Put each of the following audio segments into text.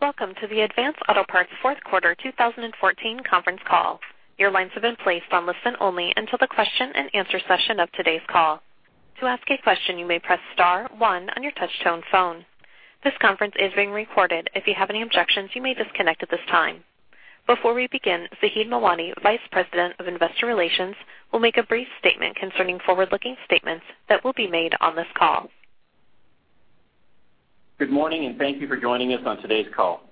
Welcome to the Advance Auto Parts Fourth Quarter 2014 conference call. Your lines have been placed on listen only until the question and answer session of today's call. To ask a question, you may press * one on your touch-tone phone. This conference is being recorded. If you have any objections, you may disconnect at this time. Before we begin, Zaheed Mawani, Vice President of Investor Relations, will make a brief statement concerning forward-looking statements that will be made on this call. Good morning, thank you for joining us on today's call.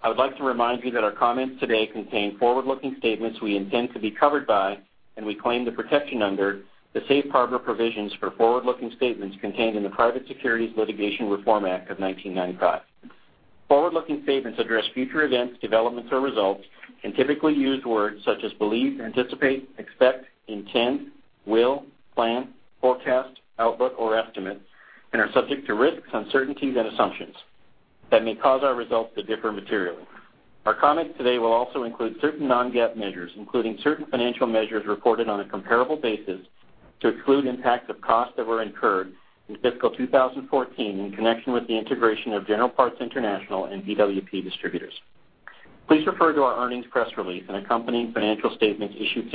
I would like to remind you that our comments today contain forward-looking statements we intend to be covered by, and we claim the protection under, the safe harbor provisions for forward-looking statements contained in the Private Securities Litigation Reform Act of 1995. Forward-looking statements address future events, developments or results, and typically use words such as believe, anticipate, expect, intend, will, plan, forecast, outlook, or estimate, and are subject to risks, uncertainties, and assumptions that may cause our results to differ materially. Our comments today will also include certain non-GAAP measures, including certain financial measures reported on a comparable basis to exclude impacts of costs that were incurred in fiscal 2014 in connection with the integration of General Parts International and BWP Distributors. Please refer to our earnings press release and accompanying financial statements issued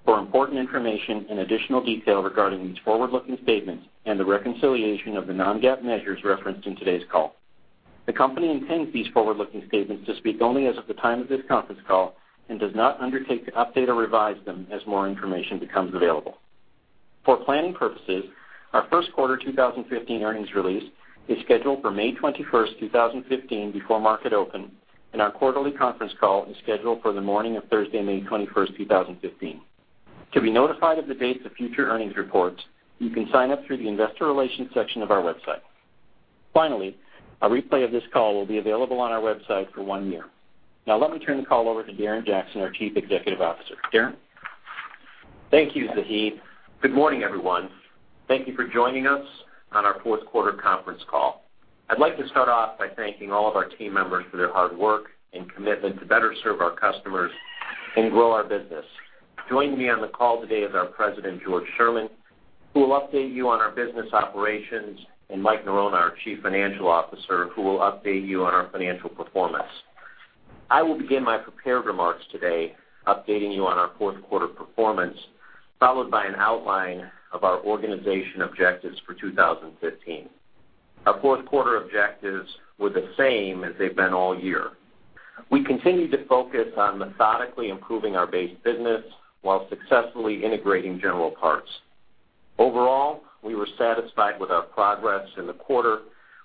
today for important information and additional detail regarding these forward-looking statements and the reconciliation of the non-GAAP measures referenced in today's call. The company intends these forward-looking statements to speak only as of the time of this conference call and does not undertake to update or revise them as more information becomes available. For planning purposes, our first quarter 2015 earnings release is scheduled for May 21st, 2015, before market open, and our quarterly conference call is scheduled for the morning of Thursday, May 21st, 2015. To be notified of the dates of future earnings reports, you can sign up through the investor relations section of our website. Finally, a replay of this call will be available on our website for one year. Now let me turn the call over to Darren Jackson, our Chief Executive Officer. Darrin? Thank you, Zaheed. Good morning, everyone. Thank you for joining us on our fourth quarter conference call. I'd like to start off by thanking all of our team members for their hard work and commitment to better serve our customers and grow our business. Joining me on the call today is our President, George Sherman, who will update you on our business operations, and Mike Norona, our Chief Financial Officer, who will update you on our financial performance. I will begin my prepared remarks today updating you on our fourth quarter performance, followed by an outline of our organization objectives for 2015. Our fourth quarter objectives were the same as they've been all year. We continued to focus on methodically improving our base business while successfully integrating General Parts. Overall, we were satisfied with our progress in the quarter,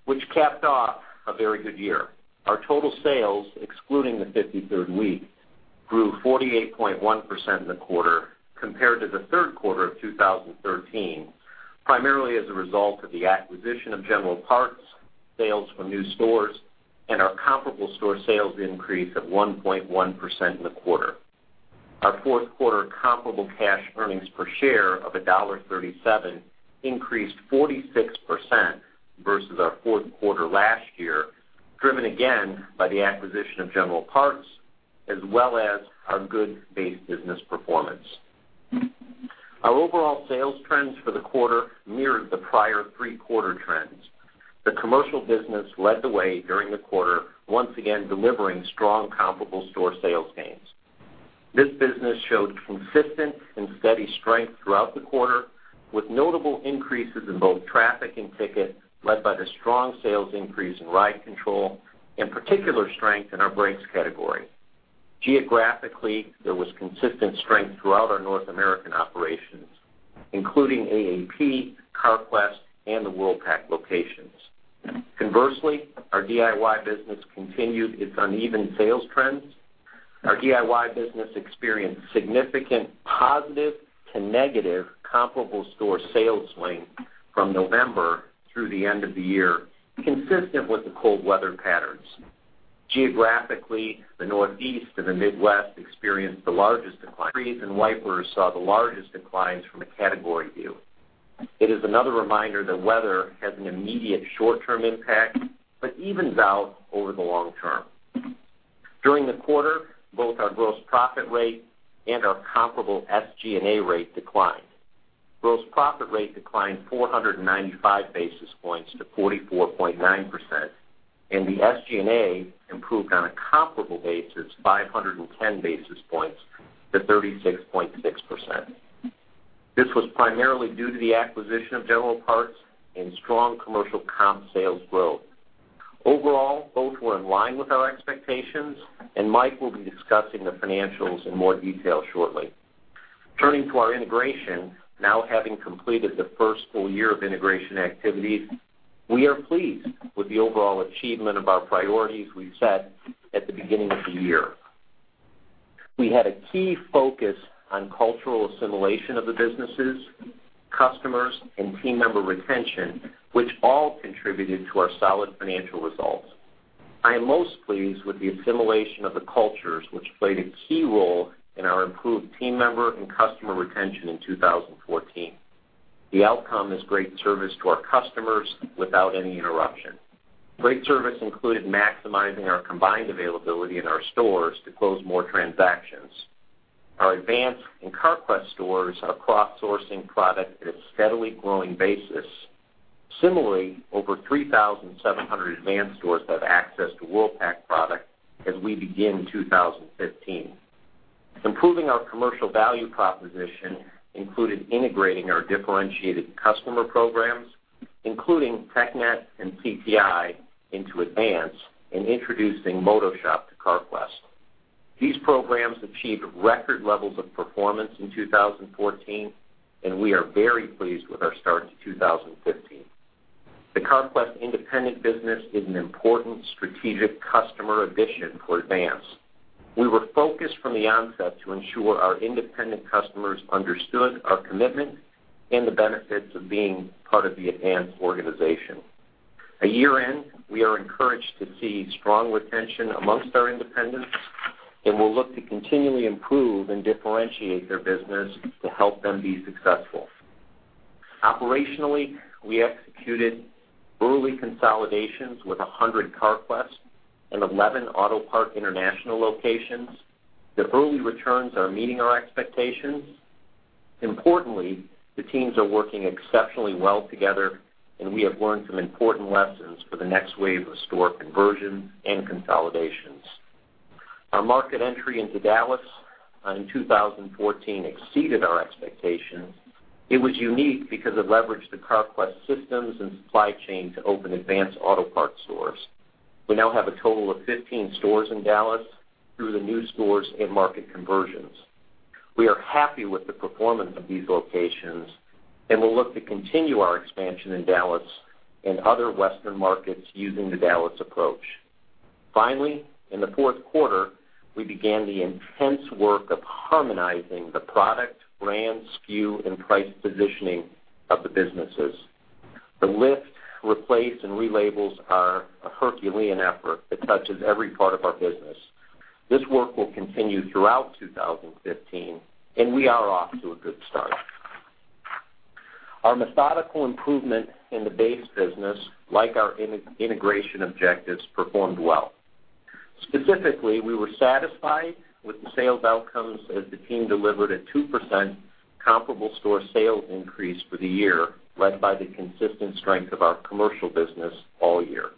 which capped off a very good year. Our total sales, excluding the 53rd week, grew 48.1% in the quarter compared to the third quarter of 2013, primarily as a result of the acquisition of General Parts, sales from new stores, and our comparable store sales increase of 1.1% in the quarter. Our fourth quarter comparable cash earnings per share of $1.37 increased 46% versus our fourth quarter last year, driven again by the acquisition of General Parts, as well as our good base business performance. Our overall sales trends for the quarter mirrored the prior three quarter trends. The commercial business led the way during the quarter, once again delivering strong comparable store sales gains. This business showed consistent and steady strength throughout the quarter, with notable increases in both traffic and ticket, led by the strong sales increase in ride control, and particular strength in our brakes category. Geographically, there was consistent strength throughout our North American operations, including AAP, Carquest, and the Worldpac locations. Conversely, our DIY business continued its uneven sales trends. Our DIY business experienced significant positive to negative comparable store sales swing from November through the end of the year, consistent with the cold weather patterns. Geographically, the Northeast to the Midwest experienced the largest decline. Freeze and wipers saw the largest declines from a category view. It is another reminder that weather has an immediate short-term impact but evens out over the long term. During the quarter, both our gross profit rate and our comparable SG&A rate declined. Gross profit rate declined 495 basis points to 44.9%, and the SG&A improved on a comparable basis 510 basis points to 36.6%. This was primarily due to the acquisition of General Parts and strong commercial comp sales growth. Overall, both were in line with our expectations. Mike will be discussing the financials in more detail shortly. Turning to our integration, now having completed the first full year of integration activities, we are pleased with the overall achievement of our priorities we set at the beginning of the year. We had a key focus on cultural assimilation of the businesses, customers, and team member retention, which all contributed to our solid financial results. I am most pleased with the assimilation of the cultures, which played a key role in our improved team member and customer retention in 2014. The outcome is great service to our customers without any interruption. Great service included maximizing our combined availability in our stores to close more transactions. Our Advance and Carquest stores are cross-sourcing product at a steadily growing basis. Similarly, over 3,700 Advance stores have access to Worldpac product as we begin 2015. Improving our commercial value proposition included integrating our differentiated customer programs, including TechNet and CTI into Advance and introducing MotoShop to Carquest. These programs achieved record levels of performance in 2014. We are very pleased with our start to 2015. The Carquest independent business is an important strategic customer addition for Advance. We were focused from the onset to ensure our independent customers understood our commitment and the benefits of being part of the Advance organization. At year-end, we are encouraged to see strong retention amongst our independents. We'll look to continually improve and differentiate their business to help them be successful. Operationally, we executed early consolidations with 100 Carquest and 11 Autopart International locations. The early returns are meeting our expectations. Importantly, the teams are working exceptionally well together, we have learned some important lessons for the next wave of store conversions and consolidations. Our market entry into Dallas in 2014 exceeded our expectations. It was unique because it leveraged the Carquest systems and supply chain to open Advance Auto Parts stores. We now have a total of 15 stores in Dallas through the new stores and market conversions. We are happy with the performance of these locations and will look to continue our expansion in Dallas and other Western markets using the Dallas approach. Finally, in the fourth quarter, we began the intense work of harmonizing the product, brand, SKU, and price positioning of the businesses. The lift, replace, and relabels are a Herculean effort that touches every part of our business. This work will continue throughout 2015, we are off to a good start. Our methodical improvement in the base business, like our integration objectives, performed well. Specifically, we were satisfied with the sales outcomes as the team delivered a 2% comparable store sales increase for the year, led by the consistent strength of our commercial business all year.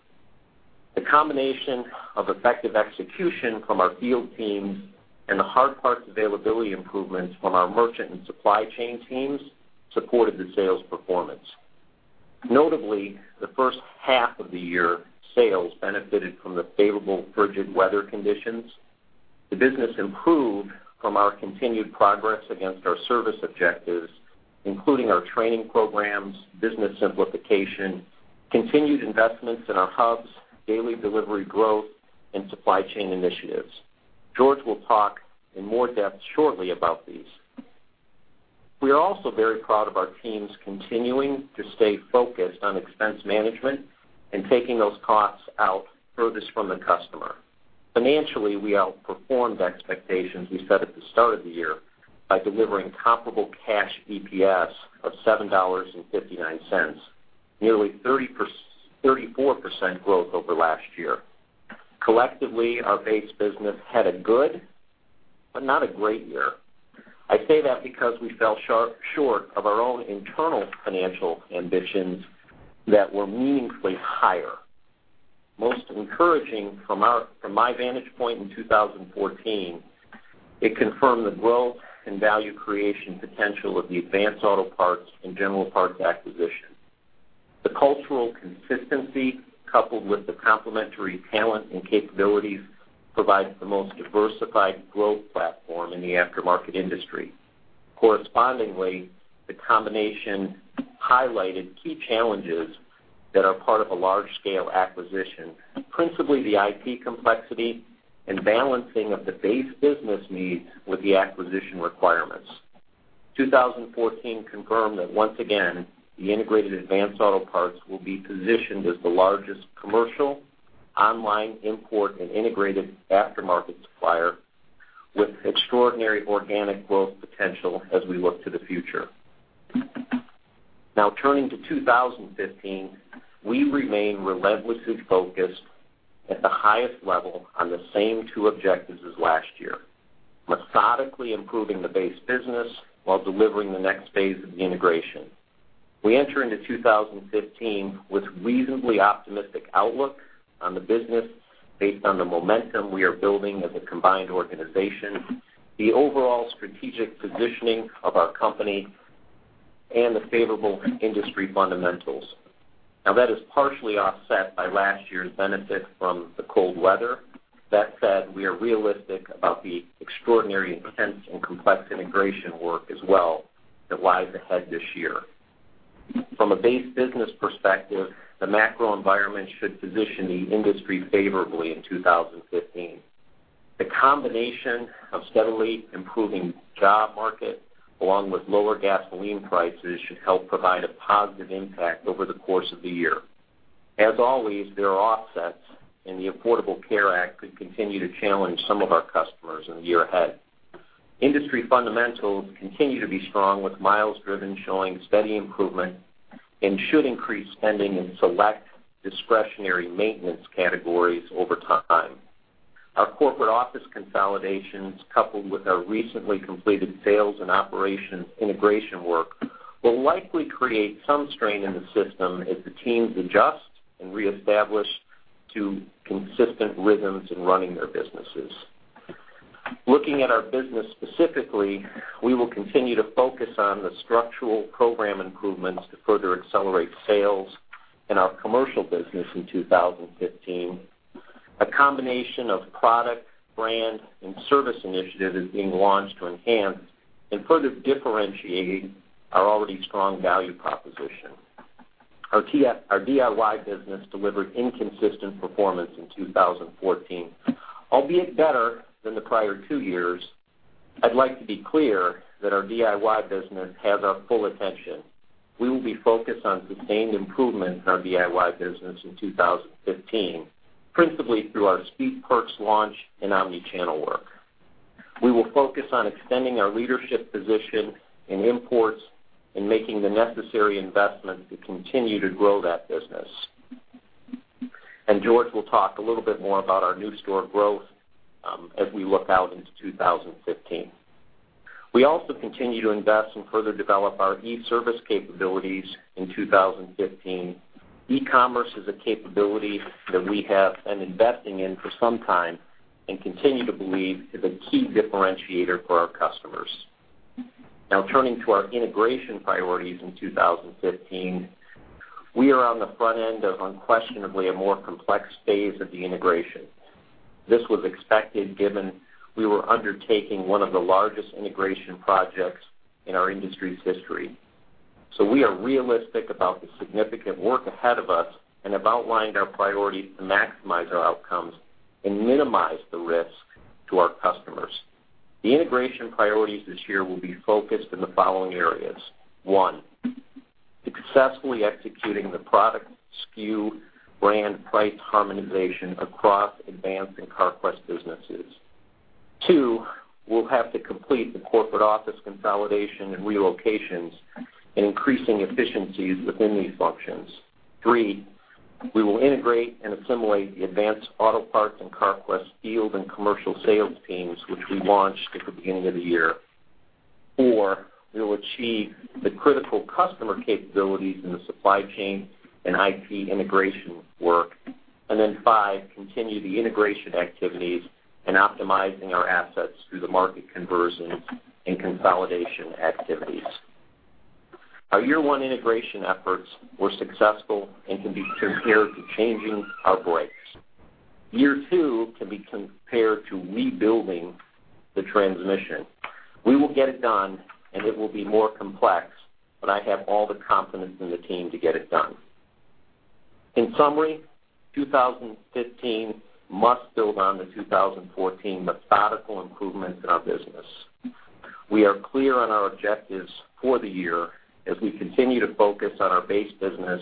The combination of effective execution from our field teams and the hard parts availability improvements from our merchant and supply chain teams supported the sales performance. Notably, the first half of the year sales benefited from the favorable frigid weather conditions. The business improved from our continued progress against our service objectives, including our training programs, business simplification, continued investments in our hubs, daily delivery growth, and supply chain initiatives. George will talk in more depth shortly about these. We are also very proud of our teams continuing to stay focused on expense management and taking those costs out furthest from the customer. Financially, we outperformed the expectations we set at the start of the year by delivering comparable cash EPS of $7.59, nearly 34% growth over last year. Collectively, our base business had a good but not a great year. I say that because we fell short of our own internal financial ambitions that were meaningfully higher. Most encouraging from my vantage point in 2014, it confirmed the growth and value creation potential of the Advance Auto Parts and General Parts acquisition. The cultural consistency, coupled with the complementary talent and capabilities, provides the most diversified growth platform in the aftermarket industry. Correspondingly, the combination highlighted key challenges that are part of a large-scale acquisition, principally the IT complexity and balancing of the base business needs with the acquisition requirements. 2014 confirmed that once again, the integrated Advance Auto Parts will be positioned as the largest commercial, online import, and integrated aftermarket supplier with extraordinary organic growth potential as we look to the future. Now, turning to 2015, we remain relentlessly focused at the highest level on the same two objectives as last year, methodically improving the base business while delivering the next phase of the integration. We enter into 2015 with reasonably optimistic outlook on the business based on the momentum we are building as a combined organization, the overall strategic positioning of our company, and the favorable industry fundamentals. Now, that is partially offset by last year's benefit from the cold weather. That said, we are realistic about the extraordinary intense and complex integration work as well that lies ahead this year. From a base business perspective, the macro environment should position the industry favorably in 2015. The combination of steadily improving job market along with lower gasoline prices should help provide a positive impact over the course of the year. As always, there are offsets, and the Affordable Care Act could continue to challenge some of our customers in the year ahead. Industry fundamentals continue to be strong, with miles driven showing steady improvement. Should increase spending in select discretionary maintenance categories over time. Our corporate office consolidations, coupled with our recently completed sales and operations integration work, will likely create some strain in the system as the teams adjust and reestablish to consistent rhythms in running their businesses. Looking at our business specifically, we will continue to focus on the structural program improvements to further accelerate sales in our commercial business in 2015. A combination of product, brand, and service initiatives is being launched to enhance and further differentiate our already strong value proposition. Our DIY business delivered inconsistent performance in 2014. Albeit better than the prior two years, I'd like to be clear that our DIY business has our full attention. We will be focused on sustained improvement in our DIY business in 2015, principally through our Speed Perks launch and omnichannel work. We will focus on extending our leadership position in imports and making the necessary investments to continue to grow that business. George will talk a little bit more about our new store growth as we look out into 2015. We also continue to invest and further develop our e-service capabilities in 2015. E-commerce is a capability that we have been investing in for some time and continue to believe is a key differentiator for our customers. Turning to our integration priorities in 2015. We are on the front end of unquestionably a more complex phase of the integration. This was expected given we were undertaking one of the largest integration projects in our industry's history. We are realistic about the significant work ahead of us and have outlined our priorities to maximize our outcomes and minimize the risk to our customers. The integration priorities this year will be focused in the following areas. 1, successfully executing the product SKU brand price harmonization across Advance and Carquest businesses. 2, we'll have to complete the corporate office consolidation and relocations and increasing efficiencies within these functions. 3, we will integrate and assimilate the Advance Auto Parts and Carquest field and commercial sales teams, which we launched at the beginning of the year. 4, we will achieve the critical customer capabilities in the supply chain and IT integration work. 5, continue the integration activities and optimizing our assets through the market conversions and consolidation activities. Our year one integration efforts were successful and can be compared to changing our brakes. Year two can be compared to rebuilding the transmission. We will get it done, it will be more complex, but I have all the confidence in the team to get it done. In summary, 2015 must build on the 2014 methodical improvements in our business. We are clear on our objectives for the year as we continue to focus on our base business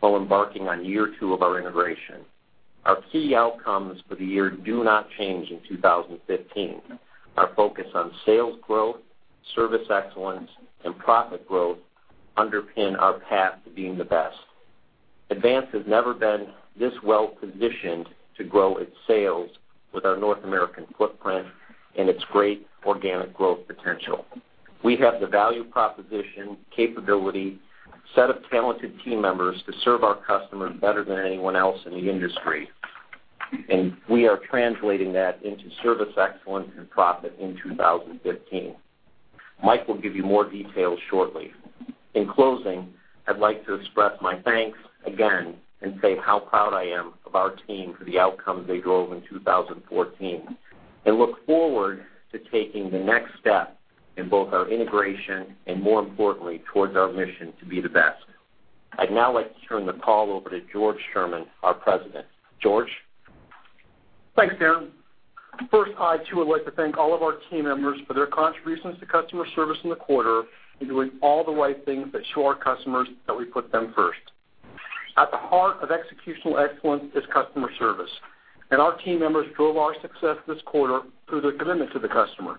while embarking on year two of our integration. Our key outcomes for the year do not change in 2015. Our focus on sales growth, service excellence, and profit growth underpin our path to being the best. Advance has never been this well-positioned to grow its sales with our North American footprint and its great organic growth potential. We have the value proposition, capability, set of talented team members to serve our customers better than anyone else in the industry, and we are translating that into service excellence and profit in 2015. Mike will give you more details shortly. In closing, I'd like to express my thanks again and say how proud I am of our team for the outcomes they drove in 2014 and look forward to taking the next step in both our integration and, more importantly, towards our mission to be the best. I'd now like to turn the call over to George Sherman, our president. George? Thanks, Darren. First, I too would like to thank all of our team members for their contributions to customer service in the quarter and doing all the right things that show our customers that we put them first. At the heart of executional excellence is customer service, and our team members drove our success this quarter through their commitment to the customer.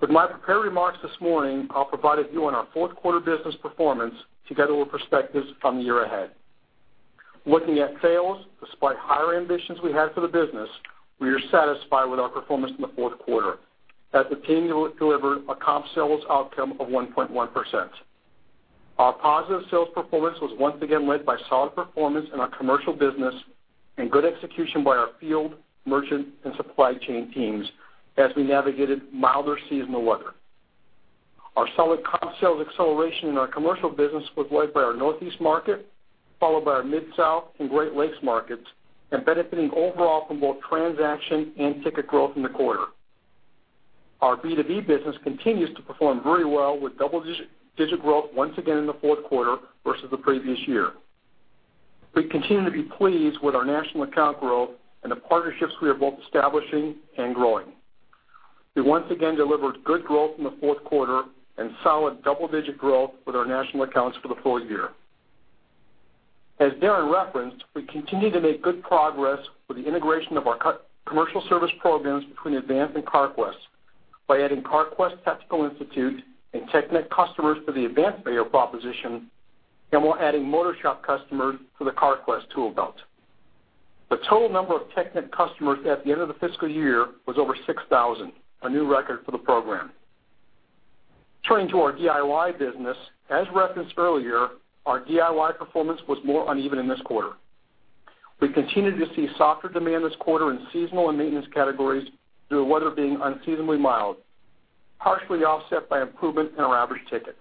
With my prepared remarks this morning, I'll provide a view on our fourth quarter business performance together with perspectives on the year ahead. Looking at sales, despite higher ambitions we had for the business, we are satisfied with our performance in the fourth quarter, as the team delivered a comp sales outcome of 1.1%. Our positive sales performance was once again led by solid performance in our commercial business and good execution by our field, merchant, and supply chain teams as we navigated milder seasonal weather. Our solid comp sales acceleration in our commercial business was led by our Northeast market, followed by our Mid-South and Great Lakes markets, and benefiting overall from both transaction and ticket growth in the quarter. Our B2B business continues to perform very well, with double-digit growth once again in the fourth quarter versus the previous year. We continue to be pleased with our national account growth and the partnerships we are both establishing and growing. We once again delivered good growth in the fourth quarter and solid double-digit growth with our national accounts for the full year. As Darren referenced, we continue to make good progress with the integration of our commercial service programs between Advance and Carquest by adding Carquest Technical Institute and TechNet customers to the Advance payor proposition, and we're adding Motorcraft customers to the Carquest tool belt. The total number of TechNet customers at the end of the fiscal year was over 6,000, a new record for the program. Turning to our DIY business. As referenced earlier, our DIY performance was more uneven in this quarter. We continued to see softer demand this quarter in seasonal and maintenance categories due to weather being unseasonably mild, partially offset by improvement in our average ticket.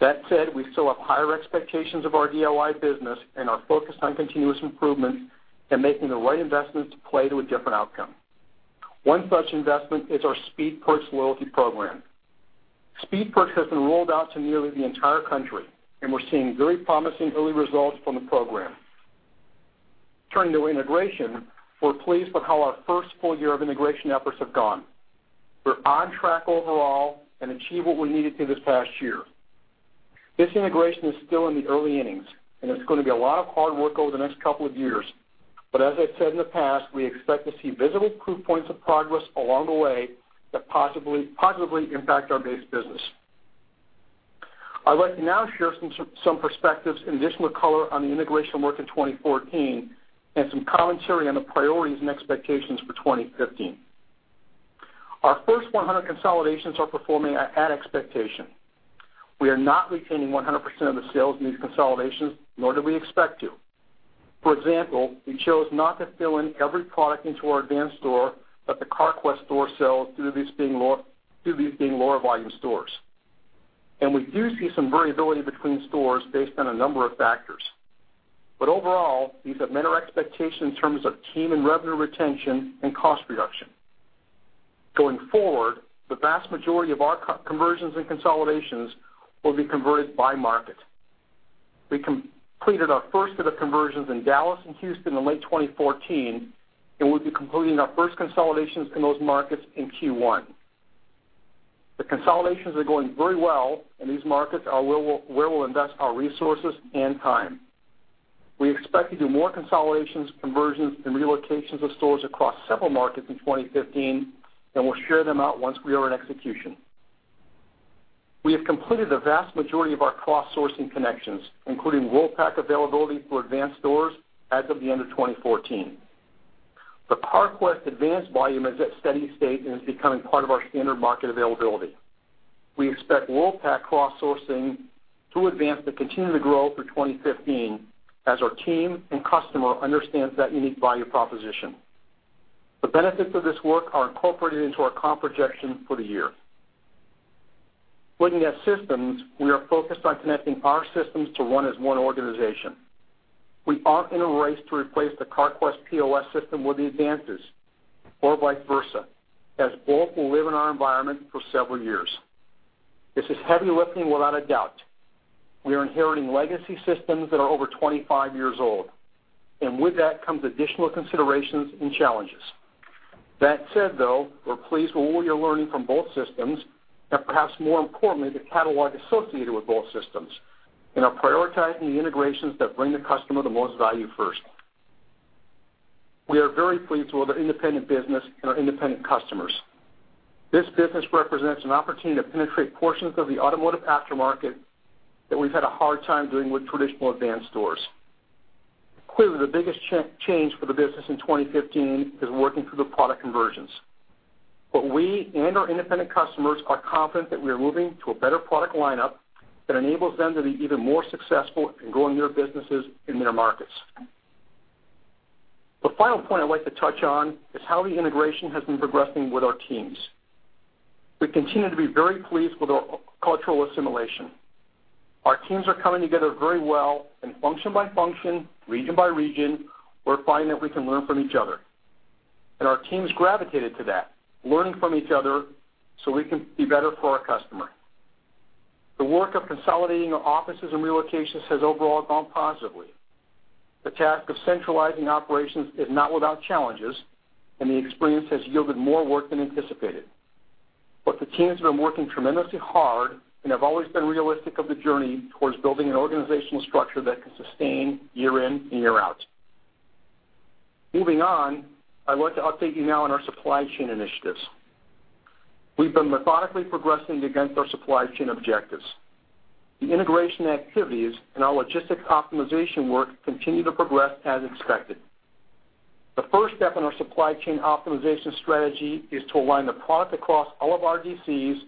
That said, we still have higher expectations of our DIY business and are focused on continuous improvement and making the right investments to play to a different outcome. One such investment is our Speed Perks loyalty program. Speed Perks has been rolled out to nearly the entire country, and we're seeing very promising early results from the program. Turning to integration, we're pleased with how our first full year of integration efforts have gone. We're on track overall, achieved what we needed to this past year. This integration is still in the early innings, and it's going to be a lot of hard work over the next couple of years. As I've said in the past, we expect to see visible proof points of progress along the way that positively impact our base business. I'd like to now share some perspectives and additional color on the integration work in 2014 and some commentary on the priorities and expectations for 2015. Our first 100 consolidations are performing at expectation. We are not retaining 100% of the sales in these consolidations, nor do we expect to. For example, we chose not to fill in every product into our Advance store that the Carquest store sells due to these being lower volume stores. We do see some variability between stores based on a number of factors. Overall, these have met our expectations in terms of team and revenue retention and cost reduction. Going forward, the vast majority of our conversions and consolidations will be converted by market. We completed our first set of conversions in Dallas and Houston in late 2014, and we'll be completing our first consolidations in those markets in Q1. The consolidations are going very well in these markets are where we'll invest our resources and time. We expect to do more consolidations, conversions, and relocations of stores across several markets in 2015, and we'll share them out once we are in execution. We have completed the vast majority of our cross-sourcing connections, including Worldpac availability for Advance stores as of the end of 2014. The Carquest Advance volume is at steady state and is becoming part of our standard market availability. We expect Worldpac cross-sourcing to Advance to continue to grow through 2015 as our team and customer understands that unique value proposition. The benefits of this work are incorporated into our comp projection for the year. Looking at systems, we are focused on connecting our systems to run as one organization. We aren't in a race to replace the Carquest POS system with the Advance's or vice versa, as both will live in our environment for several years. This is heavy lifting, without a doubt. We are inheriting legacy systems that are over 25 years old, and with that comes additional considerations and challenges. That said, though, we're pleased with what we are learning from both systems and perhaps more importantly, the catalog associated with both systems and are prioritizing the integrations that bring the customer the most value first. We are very pleased with our independent business and our independent customers. This business represents an opportunity to penetrate portions of the automotive aftermarket that we've had a hard time doing with traditional Advance stores. Clearly, the biggest change for the business in 2015 is working through the product conversions. We and our independent customers are confident that we are moving to a better product lineup that enables them to be even more successful in growing their businesses in their markets. The final point I'd like to touch on is how the integration has been progressing with our teams. We continue to be very pleased with our cultural assimilation. Our teams are coming together very well, function by function, region by region, we're finding that we can learn from each other. Our team's gravitated to that, learning from each other so we can be better for our customer. The work of consolidating our offices and relocations has overall gone positively. The task of centralizing operations is not without challenges, the experience has yielded more work than anticipated. The team's been working tremendously hard and have always been realistic of the journey towards building an organizational structure that can sustain year in and year out. Moving on, I'd like to update you now on our supply chain initiatives. We've been methodically progressing against our supply chain objectives. The integration activities and our logistics optimization work continue to progress as expected. The first step in our supply chain optimization strategy is to align the product across all of our DCs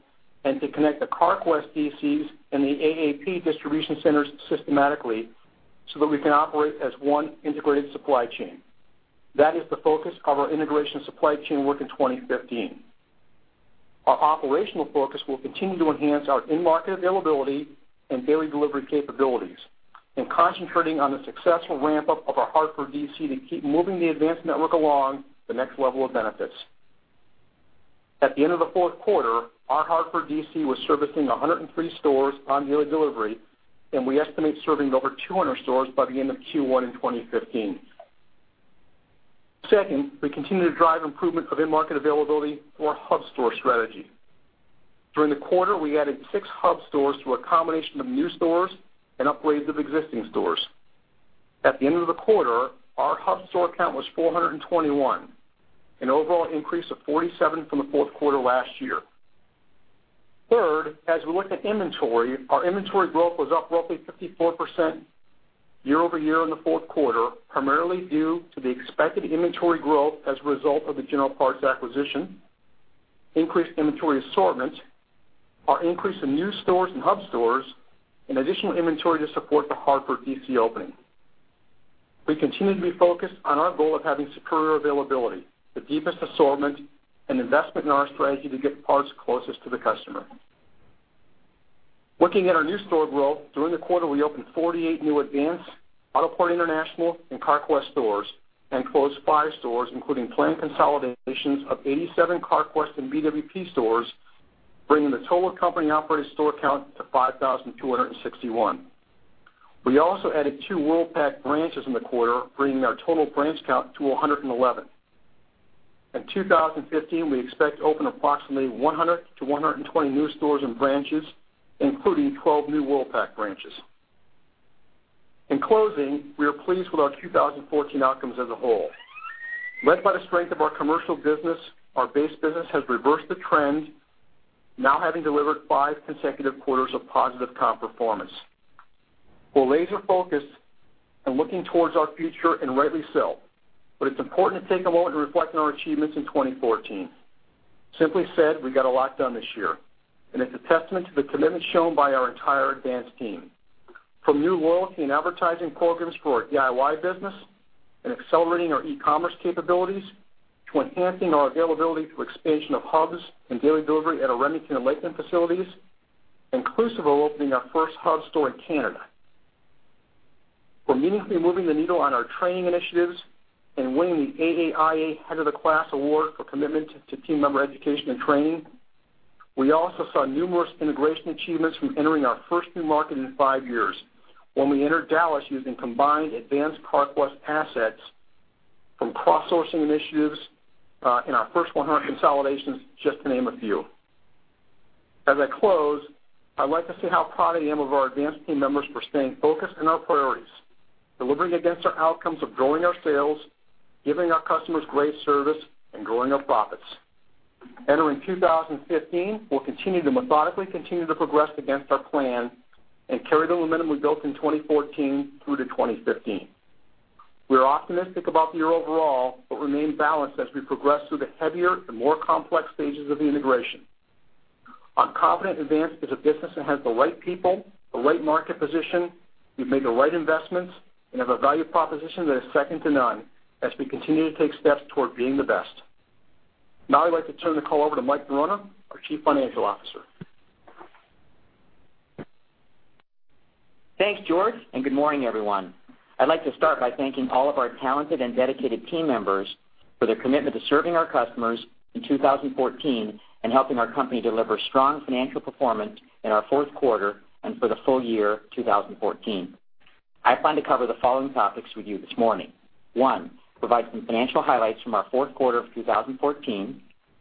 and to connect the Carquest DCs and the AAP distribution centers systematically so that we can operate as one integrated supply chain. That is the focus of our integration supply chain work in 2015. Our operational focus will continue to enhance our in-market availability and daily delivery capabilities and concentrating on the successful ramp-up of our Hartford DC to keep moving the Advance network along the next level of benefits. At the end of the fourth quarter, our Hartford DC was servicing 103 stores on daily delivery, we estimate serving over 200 stores by the end of Q1 in 2015. Second, we continue to drive improvement of in-market availability through our hub store strategy. During the quarter, we added six hub stores through a combination of new stores and upgrades of existing stores. At the end of the quarter, our hub store count was 421, an overall increase of 47 from the fourth quarter last year. Third, as we look at inventory, our inventory growth was up roughly 54% year-over-year in the fourth quarter, primarily due to the expected inventory growth as a result of the General Parts acquisition, increased inventory assortment, our increase in new stores and hub stores, and additional inventory to support the Hartford DC opening. We continue to be focused on our goal of having superior availability, the deepest assortment, and investment in our strategy to get parts closest to the customer. Looking at our new store growth, during the quarter, we opened 48 new Autopart International and Carquest stores and closed five stores, including planned consolidations of 87 Carquest and BWP stores, bringing the total company-operated store count to 5,261. We also added two Worldpac branches in the quarter, bringing our total branch count to 111. In 2015, we expect to open approximately 100 to 120 new stores and branches, including 12 new Worldpac branches. In closing, we are pleased with our 2014 outcomes as a whole. Led by the strength of our commercial business, our base business has reversed the trend, now having delivered five consecutive quarters of positive comp performance. We're laser-focused and looking towards our future, rightly so, it's important to take a moment and reflect on our achievements in 2014. It's a testament to the commitment shown by our entire Advance team, from new loyalty and advertising programs for our DIY business and accelerating our e-commerce capabilities to enhancing our availability through expansion of hubs and daily delivery at our Remington and Lakeland facilities, inclusive of opening our first hub store in Canada. We're meaningfully moving the needle on our training initiatives and winning the AAIA Head of the Class Award for commitment to team member education and training. We also saw numerous integration achievements from entering our first new market in 5 years when we entered Dallas using combined Advance/Carquest assets from cross-sourcing initiatives in our first 100 consolidations, just to name a few. As I close, I'd like to say how proud I am of our Advance team members for staying focused on our priorities, delivering against our outcomes of growing our sales, giving our customers great service, growing our profits. Entering 2015, we'll continue to methodically continue to progress against our plan and carry the momentum we built in 2014 through to 2015. Remain balanced as we progress through the heavier and more complex stages of the integration. I'm confident Advance is a business that has the right people, the right market position, we've made the right investments, have a value proposition that is second to none as we continue to take steps toward being the best. I'd like to turn the call over to Mike Norona, our Chief Financial Officer. Thanks, George, good morning, everyone. I'd like to start by thanking all of our talented and dedicated team members for their commitment to serving our customers in 2014 helping our company deliver strong financial performance in our fourth quarter and for the full year 2014. I plan to cover the following topics with you this morning. One, provide some financial highlights from our fourth quarter of 2014.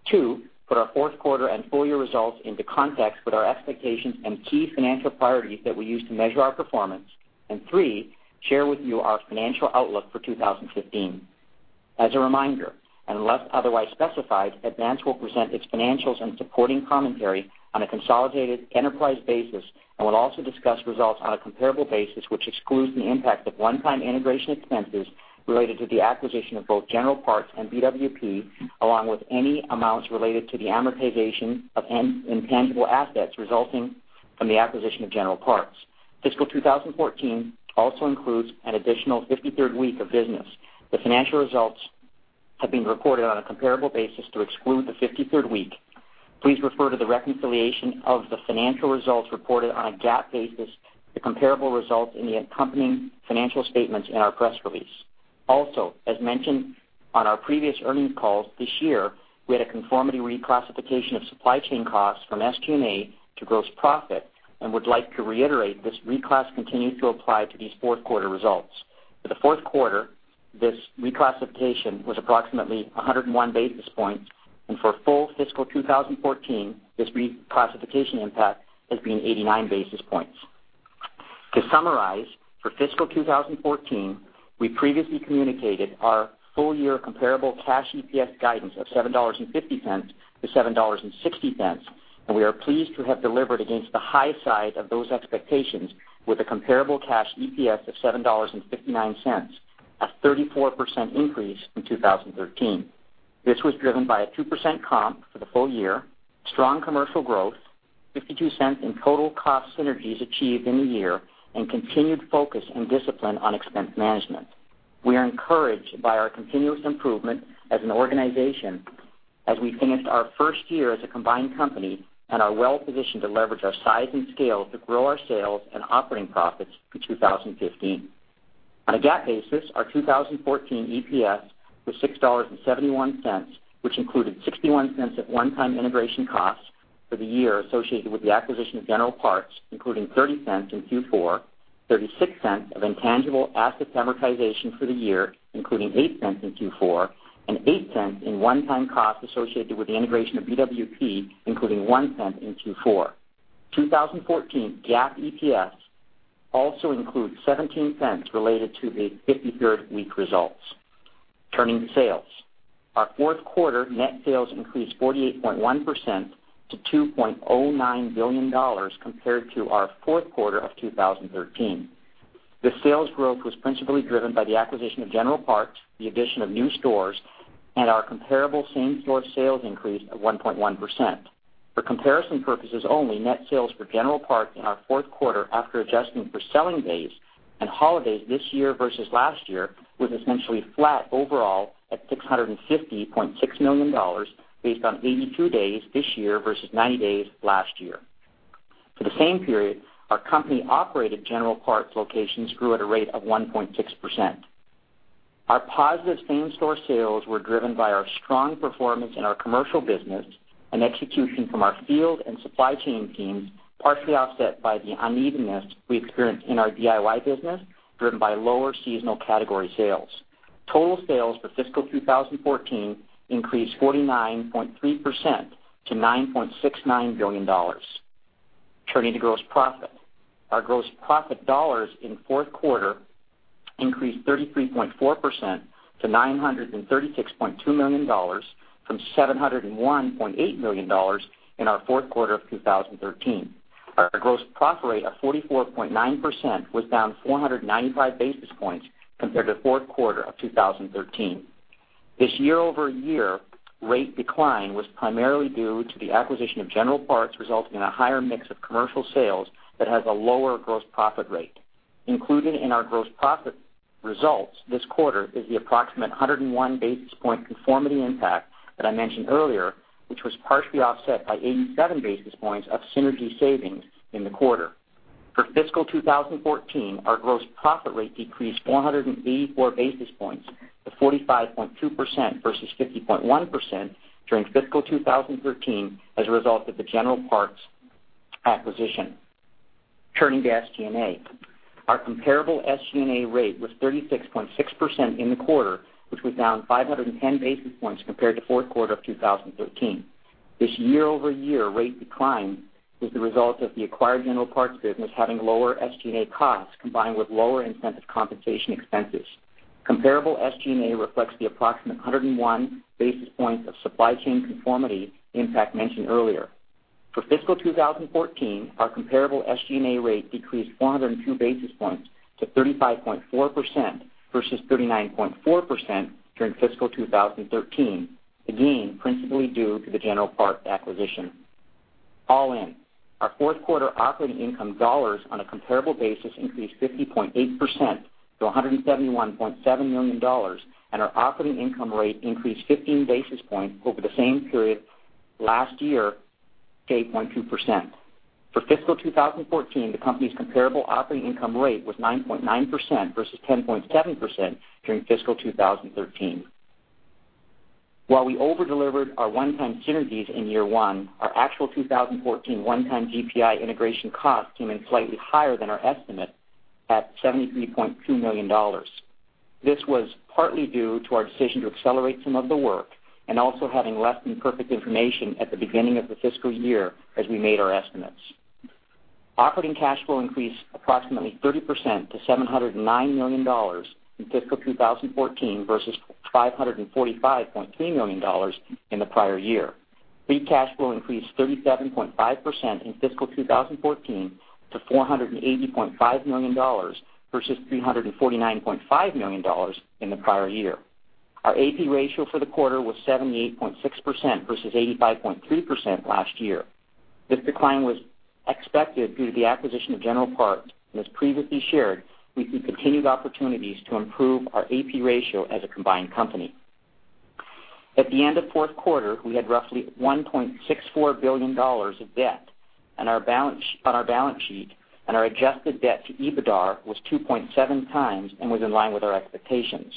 Two, put our fourth quarter and full year results into context with our expectations and key financial priorities that we use to measure our performance. Three, share with you our financial outlook for 2015. As a reminder, unless otherwise specified, Advance will present its financials and supporting commentary on a consolidated enterprise basis. Will also discuss results on a comparable basis, which excludes the impact of one-time integration expenses related to the acquisition of both General Parts and BWP, along with any amounts related to the amortization of intangible assets resulting from the acquisition of General Parts. Fiscal 2014 also includes an additional 53rd week of business. The financial results have been reported on a comparable basis to exclude the 53rd week. Please refer to the reconciliation of the financial results reported on a GAAP basis to comparable results in the accompanying financial statements in our press release. Also, as mentioned on our previous earnings calls, this year, we had a conformity reclassification of supply chain costs from SG&A to gross profit and would like to reiterate this reclass continued to apply to these fourth quarter results. For the fourth quarter, this reclassification was approximately 101 basis points, and for full fiscal 2014, this reclassification impact has been 89 basis points. To summarize, for fiscal 2014, we previously communicated our full-year comparable cash EPS guidance of $7.50-$7.60. We are pleased to have delivered against the high side of those expectations with a comparable cash EPS of $7.59, a 34% increase from 2013. This was driven by a 2% comp for the full year, strong commercial growth, $0.52 in total cost synergies achieved in the year, and continued focus and discipline on expense management. We are encouraged by our continuous improvement as an organization as we finished our first year as a combined company and are well-positioned to leverage our size and scale to grow our sales and operating profits through 2015. On a GAAP basis, our 2014 EPS was $6.71, which included $0.61 of one-time integration costs for the year associated with the acquisition of General Parts, including $0.30 in Q4, $0.36 of intangible asset amortization for the year, including $0.08 in Q4, and $0.08 in one-time costs associated with the integration of BWP, including $0.01 in Q4. 2014 GAAP EPS also includes $0.17 related to the 53rd week results. Turning to sales. Our fourth quarter net sales increased 48.1% to $2.09 billion compared to our fourth quarter of 2013. The sales growth was principally driven by the acquisition of General Parts, the addition of new stores, and our comparable same-store sales increase of 1.1%. For comparison purposes only, net sales for General Parts in our fourth quarter after adjusting for selling days and holidays this year versus last year was essentially flat overall at $650.6 million based on 82 days this year versus 90 days last year. For the same period, our company-operated General Parts locations grew at a rate of 1.6%. Our positive same-store sales were driven by our strong performance in our commercial business and execution from our field and supply chain teams, partially offset by the unevenness we experienced in our DIY business, driven by lower seasonal category sales. Total sales for fiscal 2014 increased 49.3% to $9.69 billion. Turning to gross profit. Our gross profit dollars in the fourth quarter increased 33.4% to $936.2 million from $701.8 million in our fourth quarter of 2013. Our gross profit rate of 44.9% was down 495 basis points compared to the fourth quarter of 2013. This year-over-year rate decline was primarily due to the acquisition of General Parts, resulting in a higher mix of commercial sales that has a lower gross profit rate. Included in our gross profit results this quarter is the approximate 101 basis point conformity impact that I mentioned earlier, which was partially offset by 87 basis points of synergy savings in the quarter. For fiscal 2014, our gross profit rate decreased 484 basis points to 45.2% versus 50.1% during fiscal 2013 as a result of the General Parts acquisition. Turning to SG&A. Our comparable SG&A rate was 36.6% in the quarter, which was down 510 basis points compared to the fourth quarter of 2013. This year-over-year rate decline was the result of the acquired General Parts business having lower SG&A costs combined with lower incentive compensation expenses. Comparable SG&A reflects the approximate 101 basis points of supply chain conformity impact mentioned earlier. For fiscal 2014, our comparable SG&A rate decreased 402 basis points to 35.4% versus 39.4% during fiscal 2013, again, principally due to the General Parts acquisition. All in, our fourth quarter operating income dollars on a comparable basis increased 50.8% to $171.7 million and our operating income rate increased 15 basis points over the same period last year to 8.2%. For fiscal 2014, the company's comparable operating income rate was 9.9% versus 10.7% during fiscal 2013. While we over-delivered our one-time synergies in year one, our actual 2014 one-time GPI integration cost came in slightly higher than our estimate at $73.2 million. This was partly due to our decision to accelerate some of the work and also having less than perfect information at the beginning of the fiscal year as we made our estimates. Operating cash flow increased approximately 30% to $709 million in fiscal 2014 versus $545.3 million in the prior year. Free cash flow increased 37.5% in fiscal 2014 to $480.5 million versus $349.5 million in the prior year. Our AP ratio for the quarter was 78.6% versus 85.3% last year. This decline was expected due to the acquisition of General Parts, and as previously shared, we see continued opportunities to improve our AP ratio as a combined company. At the end of the fourth quarter, we had roughly $1.64 billion of debt on our balance sheet, and our adjusted debt to EBITDAR was 2.7 times and was in line with our expectations.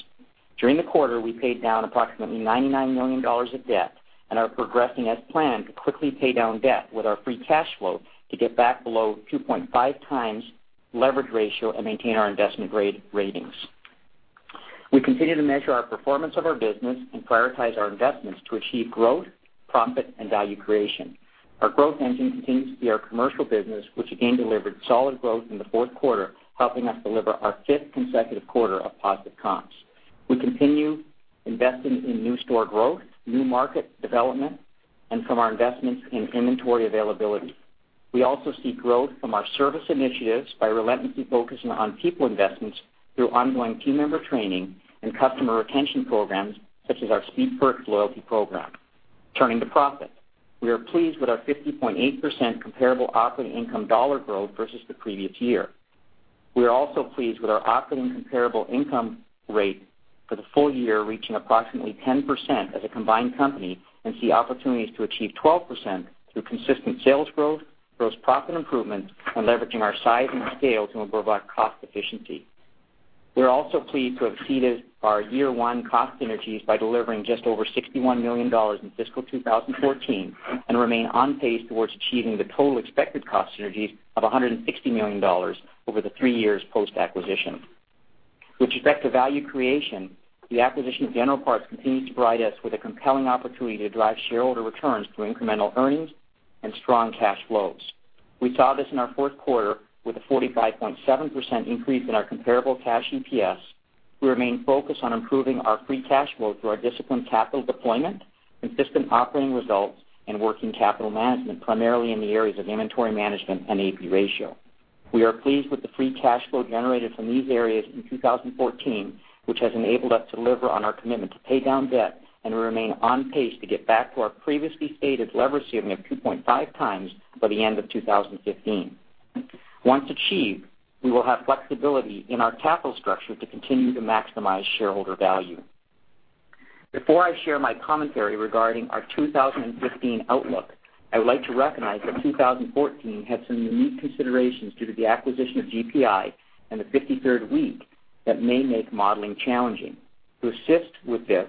During the quarter, we paid down approximately $99 million of debt and are progressing as planned to quickly pay down debt with our free cash flow to get back below 2.5 times leverage ratio and maintain our investment ratings. We continue to measure our performance of our business and prioritize our investments to achieve growth, profit, and value creation. Our growth engine continues to be our commercial business, which again delivered solid growth in the fourth quarter, helping us deliver our fifth consecutive quarter of positive comps. We continue investing in new store growth, new market development, and from our investments in inventory availability. We also see growth from our service initiatives by relentlessly focusing on people investments through ongoing team member training and customer retention programs such as our Speed Perks loyalty program. Turning to profit. We are pleased with our 50.8% comparable operating income dollar growth versus the previous year. We are also pleased with our operating comparable income rate for the full year, reaching approximately 10% as a combined company, and see opportunities to achieve 12% through consistent sales growth, gross profit improvement, and leveraging our size and scale to improve our cost efficiency. We're also pleased to have exceeded our year one cost synergies by delivering just over $61 million in fiscal 2014 and remain on pace towards achieving the total expected cost synergies of $160 million over the three years post-acquisition. With respect to value creation, the acquisition of General Parts continues to provide us with a compelling opportunity to drive shareholder returns through incremental earnings and strong cash flows. We saw this in our fourth quarter with a 45.7% increase in our comparable cash EPS. We remain focused on improving our free cash flow through our disciplined capital deployment, consistent operating results, and working capital management, primarily in the areas of inventory management and AP ratio. We are pleased with the free cash flow generated from these areas in 2014, which has enabled us to deliver on our commitment to pay down debt and remain on pace to get back to our previously stated leverage tier of 2.5x by the end of 2015. Once achieved, we will have flexibility in our capital structure to continue to maximize shareholder value. Before I share my commentary regarding our 2015 outlook, I would like to recognize that 2014 had some unique considerations due to the acquisition of GPI and the 53rd week that may make modeling challenging. To assist with this,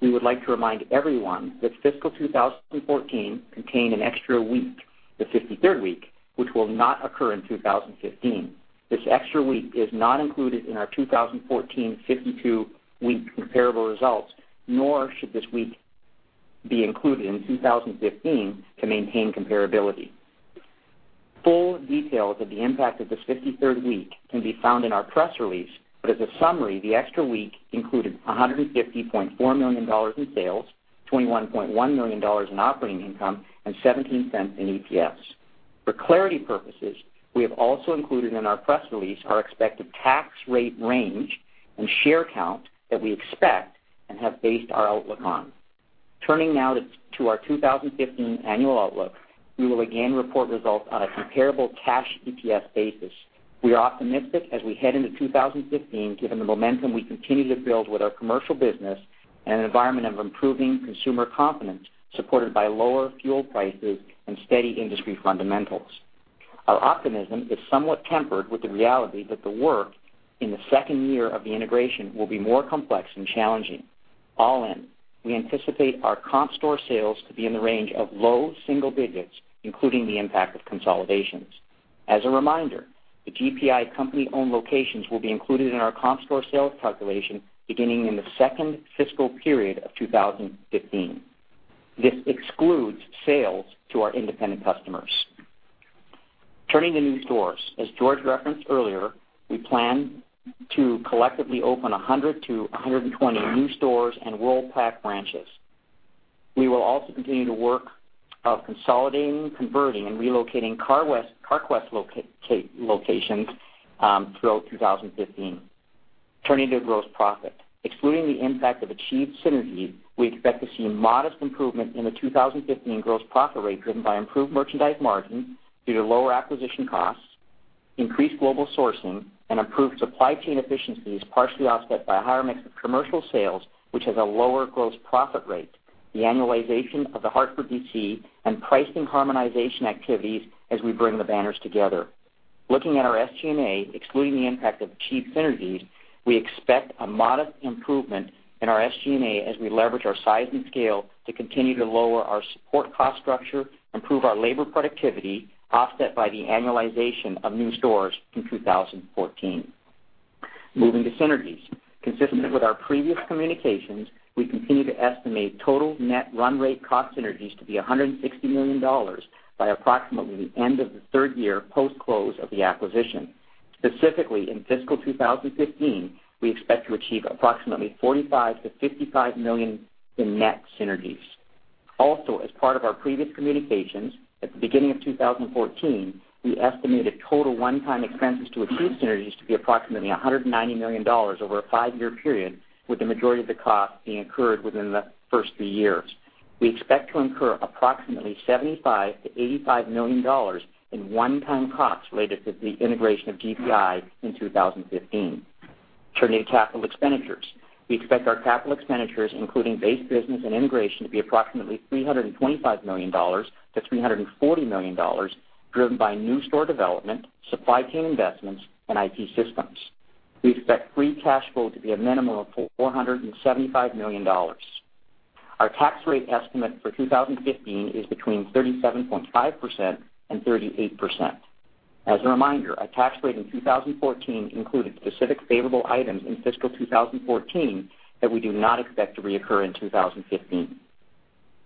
we would like to remind everyone that fiscal 2014 contained an extra week, the 53rd week, which will not occur in 2015. This extra week is not included in our 2014 52-week comparable results, nor should this week be included in 2015 to maintain comparability. Full details of the impact of this 53rd week can be found in our press release, but as a summary, the extra week included $150.4 million in sales, $21.1 million in operating income, and $0.17 in EPS. For clarity purposes, we have also included in our press release our expected tax rate range and share count that we expect and have based our outlook on. Turning now to our 2015 annual outlook. We will again report results on a comparable cash EPS basis. We are optimistic as we head into 2015, given the momentum we continue to build with our commercial business and an environment of improving consumer confidence, supported by lower fuel prices and steady industry fundamentals. Our optimism is somewhat tempered with the reality that the work in the second year of the integration will be more complex and challenging. All in, we anticipate our comp store sales to be in the range of low single digits, including the impact of consolidations. As a reminder, the GPI company owned locations will be included in our comp store sales calculation beginning in the second fiscal period of 2015. This excludes sales to our independent customers. Turning to new stores. As George referenced earlier, we plan to collectively open 100 to 120 new stores and Worldpac branches. We will also continue to work of consolidating, converting, and relocating Carquest locations throughout 2015. Turning to gross profit. Excluding the impact of achieved synergies, we expect to see a modest improvement in the 2015 gross profit rate, driven by improved merchandise margin due to lower acquisition costs, increased global sourcing, and improved supply chain efficiencies, partially offset by a higher mix of commercial sales, which has a lower gross profit rate, the annualization of the Hartford DC, and pricing harmonization activities as we bring the banners together. Looking at our SG&A, excluding the impact of achieved synergies, we expect a modest improvement in our SG&A as we leverage our size and scale to continue to lower our support cost structure, improve our labor productivity, offset by the annualization of new stores in 2014. Moving to synergies. Consistent with our previous communications, we continue to estimate total net run rate cost synergies to be $160 million by approximately the end of the third year post-close of the acquisition. Specifically, in fiscal 2015, we expect to achieve approximately $45 million-$55 million in net synergies. Also, as part of our previous communications, at the beginning of 2014, we estimated total one-time expenses to achieve synergies to be approximately $190 million over a five-year period, with the majority of the cost being incurred within the first three years. We expect to incur approximately $75 million-$85 million in one-time costs related to the integration of GPI in 2015. Turning to capital expenditures. We expect our capital expenditures, including base business and integration, to be approximately $325 million-$340 million, driven by new store development, supply chain investments, and IT systems. We expect free cash flow to be a minimum of $475 million. Our tax rate estimate for 2015 is between 37.5% and 38%. As a reminder, our tax rate in 2014 included specific favorable items in fiscal 2014 that we do not expect to reoccur in 2015.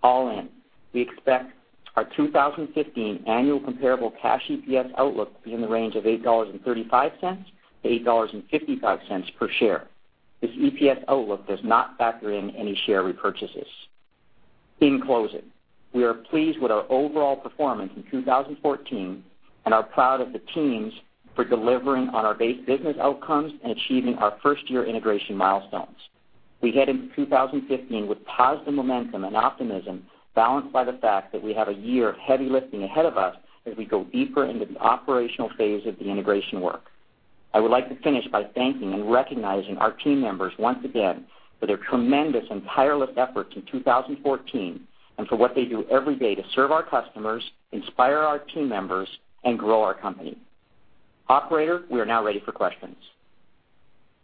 All in, we expect our 2015 annual comparable cash EPS outlook to be in the range of $8.35-$8.55 per share. This EPS outlook does not factor in any share repurchases. In closing, we are pleased with our overall performance in 2014 and are proud of the teams for delivering on our base business outcomes and achieving our first-year integration milestones. We head into 2015 with positive momentum and optimism, balanced by the fact that we have a year of heavy lifting ahead of us as we go deeper into the operational phase of the integration work. I would like to finish by thanking and recognizing our team members once again for their tremendous and tireless efforts in 2014 and for what they do every day to serve our customers, inspire our team members, and grow our company. Operator, we are now ready for questions.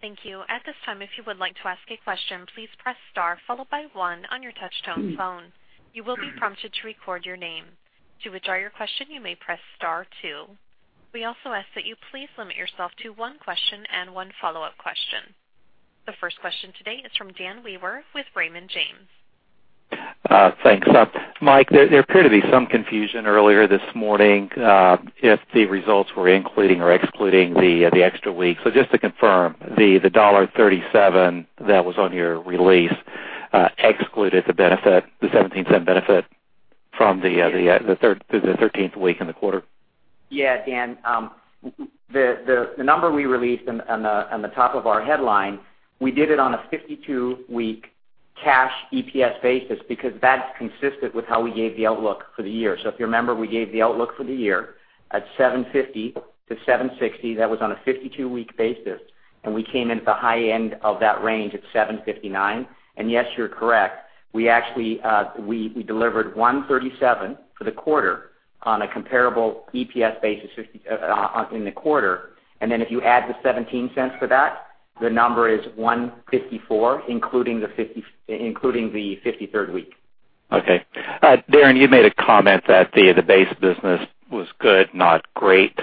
Thank you. At this time, if you would like to ask a question, please press star, followed by one on your touchtone phone. You will be prompted to record your name. To withdraw your question, you may press star two. We also ask that you please limit yourself to one question and one follow-up question. The first question today is from Dan Wewer with Raymond James. Thanks. Mike, there appeared to be some confusion earlier this morning if the results were including or excluding the extra week. Just to confirm, the $1.37 that was on your release excluded the $0.17 benefit from the 13th week in the quarter. Yeah. Dan, the number we released on the top of our headline, we did it on a 52-week cash EPS basis because that's consistent with how we gave the outlook for the year. If you remember, we gave the outlook for the year at $7.50-$7.60. That was on a 52-week basis, and we came in at the high end of that range at $7.59. Yes, you're correct. We delivered $1.37 for the quarter on a comparable EPS basis in the quarter. If you add the $0.17 for that, the number is $1.54, including the 53rd week. Okay. Darren, you made a comment that the base business was good, not great.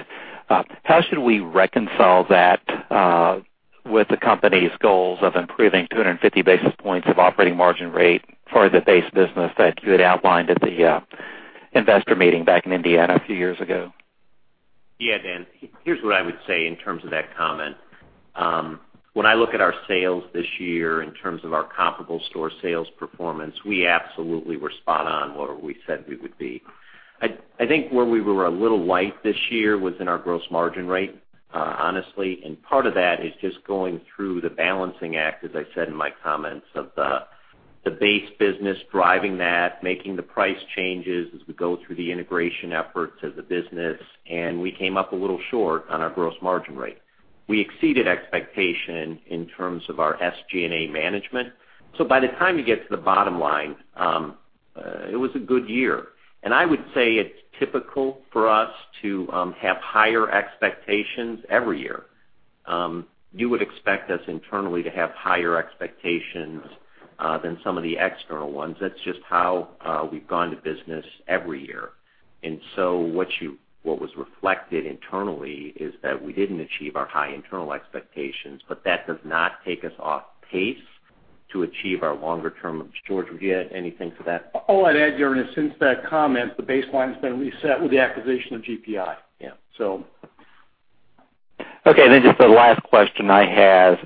How should we reconcile that with the company's goals of improving 250 basis points of operating margin rate for the base business that you had outlined at the investor meeting back in Indiana a few years ago? Yeah, Dan. Here's what I would say in terms of that comment. When I look at our sales this year in terms of our comparable store sales performance, we absolutely were spot on where we said we would be. I think where we were a little light this year was in our gross margin rate, honestly. Part of that is just going through the balancing act, as I said in my comments, of the base business, driving that, making the price changes as we go through the integration efforts of the business, and we came up a little short on our gross margin rate. We exceeded expectation in terms of our SG&A management. By the time you get to the bottom line, it was a good year. I would say it's typical for us to have higher expectations every year. You would expect us internally to have higher expectations than some of the external ones. That's just how we've gone to business every year. What was reflected internally is that we didn't achieve our high internal expectations, but that does not take us off pace to achieve our longer term. George, would you add anything to that? All I'd add, Darren, is since that comment, the baseline's been reset with the acquisition of GPI. Yeah. So. Okay, just the last question I have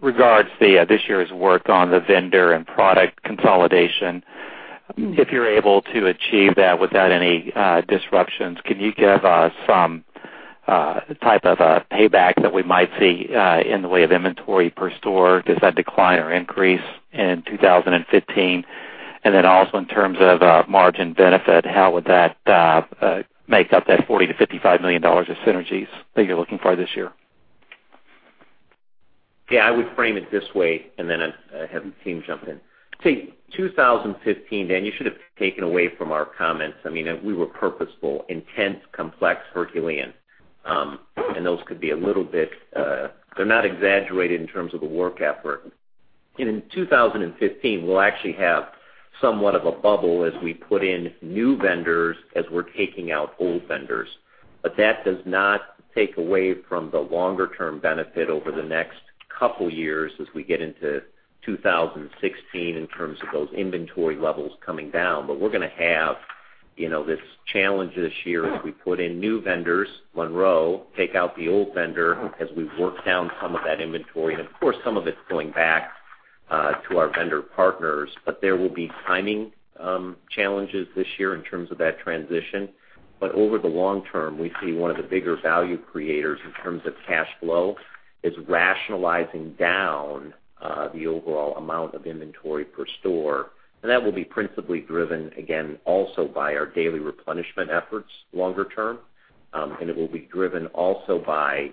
regards this year's work on the vendor and product consolidation. If you're able to achieve that without any disruptions, can you give us some type of a payback that we might see in the way of inventory per store? Does that decline or increase in 2015? Also in terms of margin benefit, how would that make up that $40 million-$55 million of synergies that you're looking for this year? Yeah, I would frame it this way, and then have the team jump in. 2015, Dan, you should have taken away from our comments. We were purposeful, intense, complex, Herculean. Those could be a little bit, they're not exaggerated in terms of the work effort. In 2015, we'll actually have somewhat of a bubble as we put in new vendors, as we're taking out old vendors. That does not take away from the longer term benefit over the next couple years as we get into 2016 in terms of those inventory levels coming down. We're going to have this challenge this year as we put in new vendors, Monroe, take out the old vendor as we work down some of that inventory. Of course, some of it's going back to our vendor partners, there will be timing challenges this year in terms of that transition. Over the long term, we see one of the bigger value creators in terms of cash flow is rationalizing down the overall amount of inventory per store. That will be principally driven, again, also by our daily replenishment efforts longer term. It will be driven also by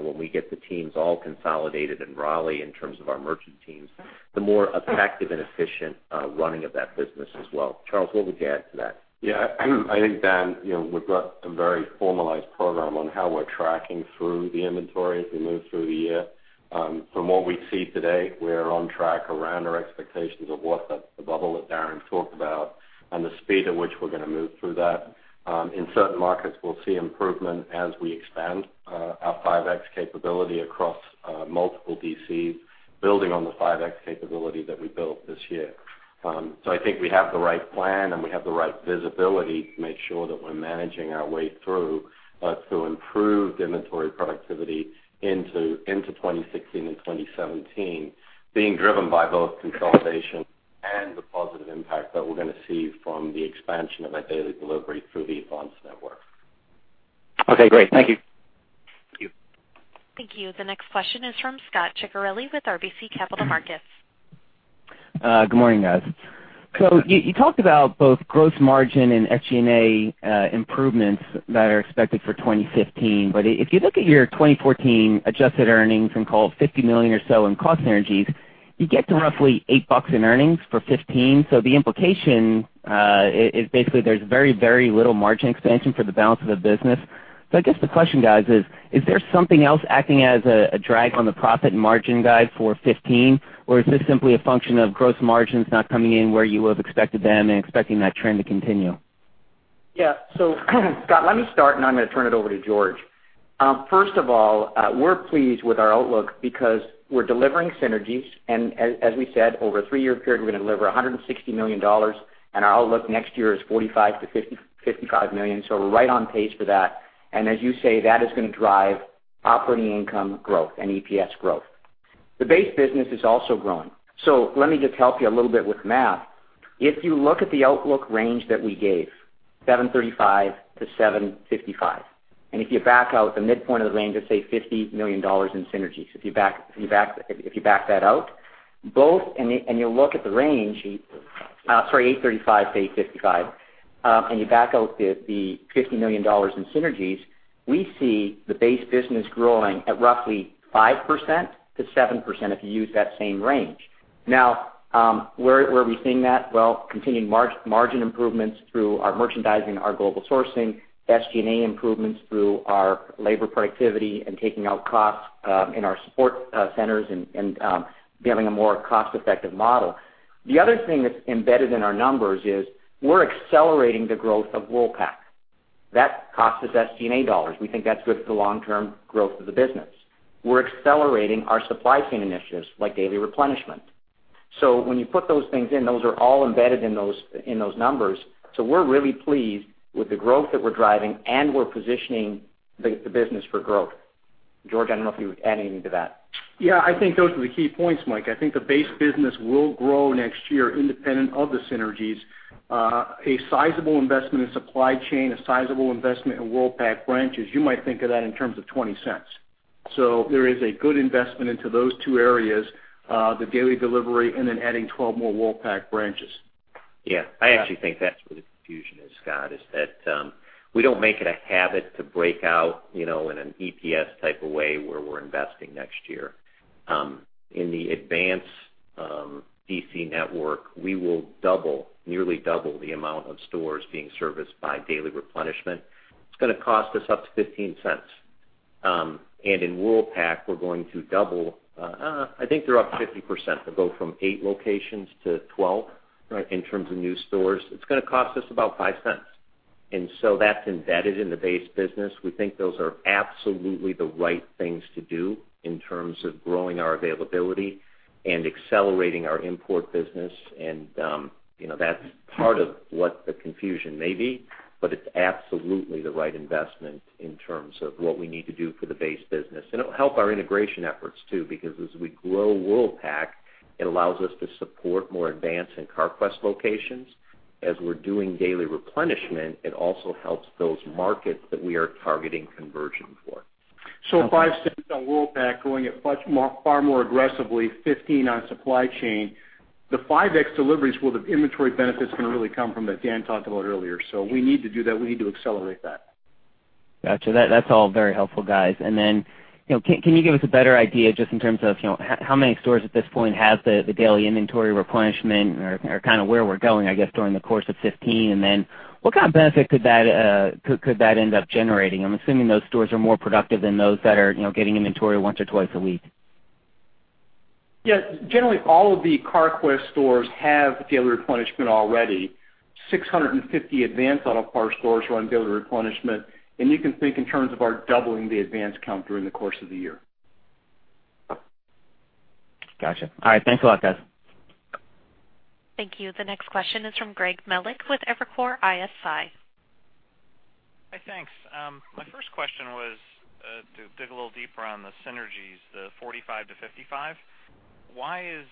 when we get the teams all consolidated in Raleigh in terms of our merchant teams, the more effective and efficient running of that business as well. Charles, what would you add to that? Yeah. I think, Dan, we've got a very formalized program on how we're tracking through the inventory as we move through the year. From what we see today, we're on track around our expectations of what the bubble that Darren talked about and the speed at which we're going to move through that. In certain markets, we'll see improvement as we expand our 5X capability across multiple DCs, building on the 5X capability that we built this year. I think we have the right plan and we have the right visibility to make sure that we're managing our way through to improve inventory productivity into 2016 and 2017, being driven by both consolidation and the positive impact that we're going to see from the expansion of our daily delivery through the Advance network. Okay, great. Thank you. Thank you. Thank you. The next question is from Scot Ciccarelli with RBC Capital Markets. Good morning, guys. You talked about both gross margin and SG&A improvements that are expected for 2015. If you look at your 2014 adjusted earnings and call it $50 million or so in cost synergies, you get to roughly $8 in earnings for 2015. The implication is basically there's very little margin expansion for the balance of the business. I guess the question, guys, is: Is there something else acting as a drag on the profit margin guide for 2015? Or is this simply a function of gross margins not coming in where you would have expected them and expecting that trend to continue? Yeah. Scot, let me start, and I'm going to turn it over to George. First of all, we're pleased with our outlook because we're delivering synergies. As we said, over a three-year period, we're going to deliver $160 million, and our outlook next year is $45 million-$55 million. We're right on pace for that. As you say, that is going to drive operating income growth and EPS growth. The base business is also growing. Let me just help you a little bit with the math. If you look at the outlook range that we gave, $735 million-$755 million, and if you back out the midpoint of the range of, say, $50 million in synergies. If you back that out, both, and you look at the $835 million-$855 million range, and you back out the $50 million in synergies, we see the base business growing at roughly 5%-7% if you use that same range. Where are we seeing that? Well, continuing margin improvements through our merchandising, our global sourcing, SG&A improvements through our labor productivity and taking out costs in our support centers and building a more cost-effective model. The other thing that's embedded in our numbers is we're accelerating the growth of Worldpac. That costs us SG&A dollars. We think that's good for the long-term growth of the business. We're accelerating our supply chain initiatives, like daily replenishment. When you put those things in, those are all embedded in those numbers. We're really pleased with the growth that we're driving, and we're positioning the business for growth. George, I don't know if you would add anything to that. Yeah, I think those are the key points, Mike. I think the base business will grow next year independent of the synergies. A sizable investment in supply chain, a sizable investment in Worldpac branches, you might think of that in terms of $0.20. There is a good investment into those two areas, the daily delivery, and then adding 12 more Worldpac branches. Yeah, I actually think that's where the confusion is, Scott, is that we don't make it a habit to break out in an EPS type of way where we're investing next year. In the Advance DC network, we will nearly double the amount of stores being serviced by daily replenishment. It's going to cost us up to $0.15. In Worldpac, we're going to double I think they're up 50%, to go from eight locations to 12- Right in terms of new stores. It's going to cost us about $0.05. That's embedded in the base business. We think those are absolutely the right things to do in terms of growing our availability and accelerating our import business. That's part of what the confusion may be, but it's absolutely the right investment in terms of what we need to do for the base business. It'll help our integration efforts, too, because as we grow Worldpac, it allows us to support more Advance and Carquest locations. As we're doing daily replenishment, it also helps those markets that we are targeting conversion for. $0.05 on Worldpac, growing it far more aggressively, $15 on supply chain. The 5X deliveries where the inventory benefit's going to really come from that Dan talked about earlier. We need to do that. We need to accelerate that. Got you. That's all very helpful, guys. Can you give us a better idea just in terms of how many stores at this point have the daily inventory replenishment or kind of where we're going, I guess, during the course of 2015? What kind of benefit could that end up generating? I'm assuming those stores are more productive than those that are getting inventory once or twice a week. Generally all of the Carquest stores have daily replenishment already. 650 Advance Auto Parts stores run daily replenishment, you can think in terms of our doubling the Advance count during the course of the year. Got you. All right. Thanks a lot, guys. Thank you. The next question is from Greg Melich with Evercore ISI. Hi, thanks. My first question was to dig a little deeper on the synergies, the $45-$55. Why is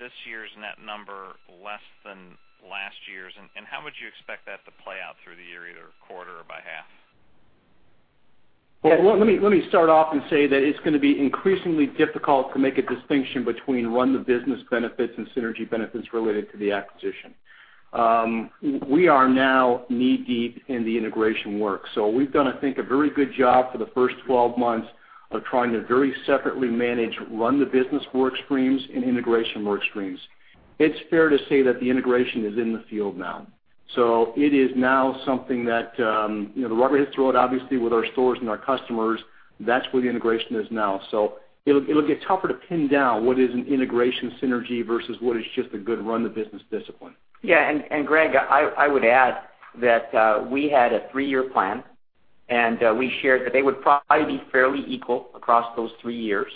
this year's net number less than last year's, and how would you expect that to play out through the year, either quarter or by half? Well, let me start off and say that it's going to be increasingly difficult to make a distinction between run the business benefits and synergy benefits related to the acquisition. We are now knee-deep in the integration work. We've done, I think, a very good job for the first 12 months of trying to very separately manage run the business work streams and integration work streams. It's fair to say that the integration is in the field now. It is now something that the rubber hits the road, obviously, with our stores and our customers. That's where the integration is now. It'll get tougher to pin down what is an integration synergy versus what is just a good run-the-business discipline. Yeah. Greg, I would add that we had a three-year plan, and we shared that they would probably be fairly equal across those three years.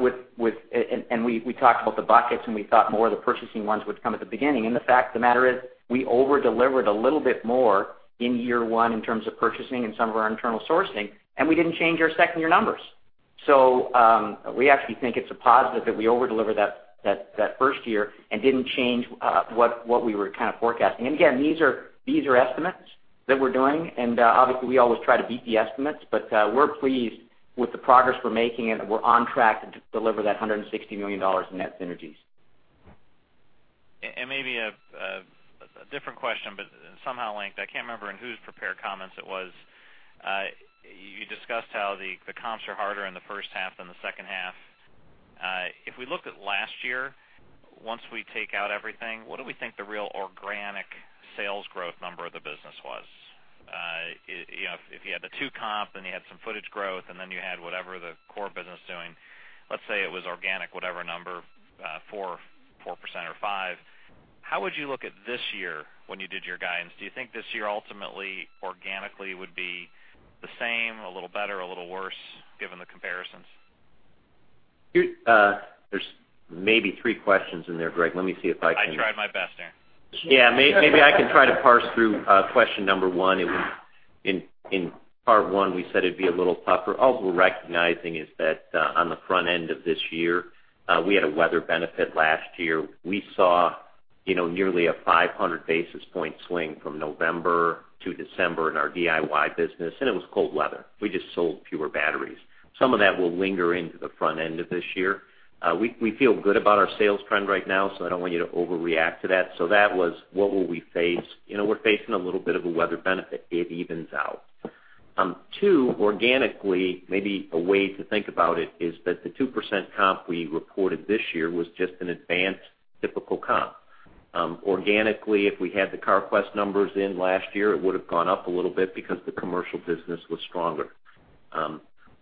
We talked about the buckets, and we thought more of the purchasing ones would come at the beginning. The fact of the matter is, we over-delivered a little bit more in year one in terms of purchasing and some of our internal sourcing, and we didn't change our second-year numbers. We actually think it's a positive that we over-delivered that first year and didn't change what we were kind of forecasting. Again, these are estimates that we're doing, and obviously, we always try to beat the estimates, but we're pleased with the progress we're making, and we're on track to deliver that $160 million in net synergies. Maybe a different question, but somehow linked. I can't remember in whose prepared comments it was. You discussed how the comps are harder in the first half than the second half. If we look at last year, once we take out everything, what do we think the real organic sales growth number of the business was? If you had the two comp, then you had some footage growth, and then you had whatever the core business doing, let's say it was organic, whatever number, 4% or 5%, how would you look at this year when you did your guidance? Do you think this year ultimately, organically would be the same, a little better, a little worse, given the comparisons? There's maybe three questions in there, Greg. Let me see if I can- I tried my best there. Maybe I can try to parse through question number 1. In part 1, we said it'd be a little tougher. All we're recognizing is that on the front end of this year, we had a weather benefit last year. We saw nearly a 500 basis point swing from November to December in our DIY business. It was cold weather. We just sold fewer batteries. Some of that will linger into the front end of this year. We feel good about our sales trend right now, I don't want you to overreact to that. That was what will we face. We're facing a little bit of a weather benefit. It evens out. 2, organically, maybe a way to think about it is that the 2% comp we reported this year was just an Advance typical comp. Organically, if we had the Carquest numbers in last year, it would've gone up a little bit because the commercial business was stronger.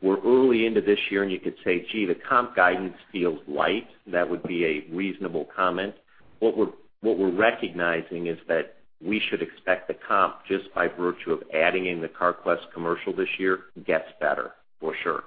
We're early into this year, and you could say, "Gee, the comp guidance feels light." That would be a reasonable comment. What we're recognizing is that we should expect the comp just by virtue of adding in the Carquest commercial this year, gets better for sure.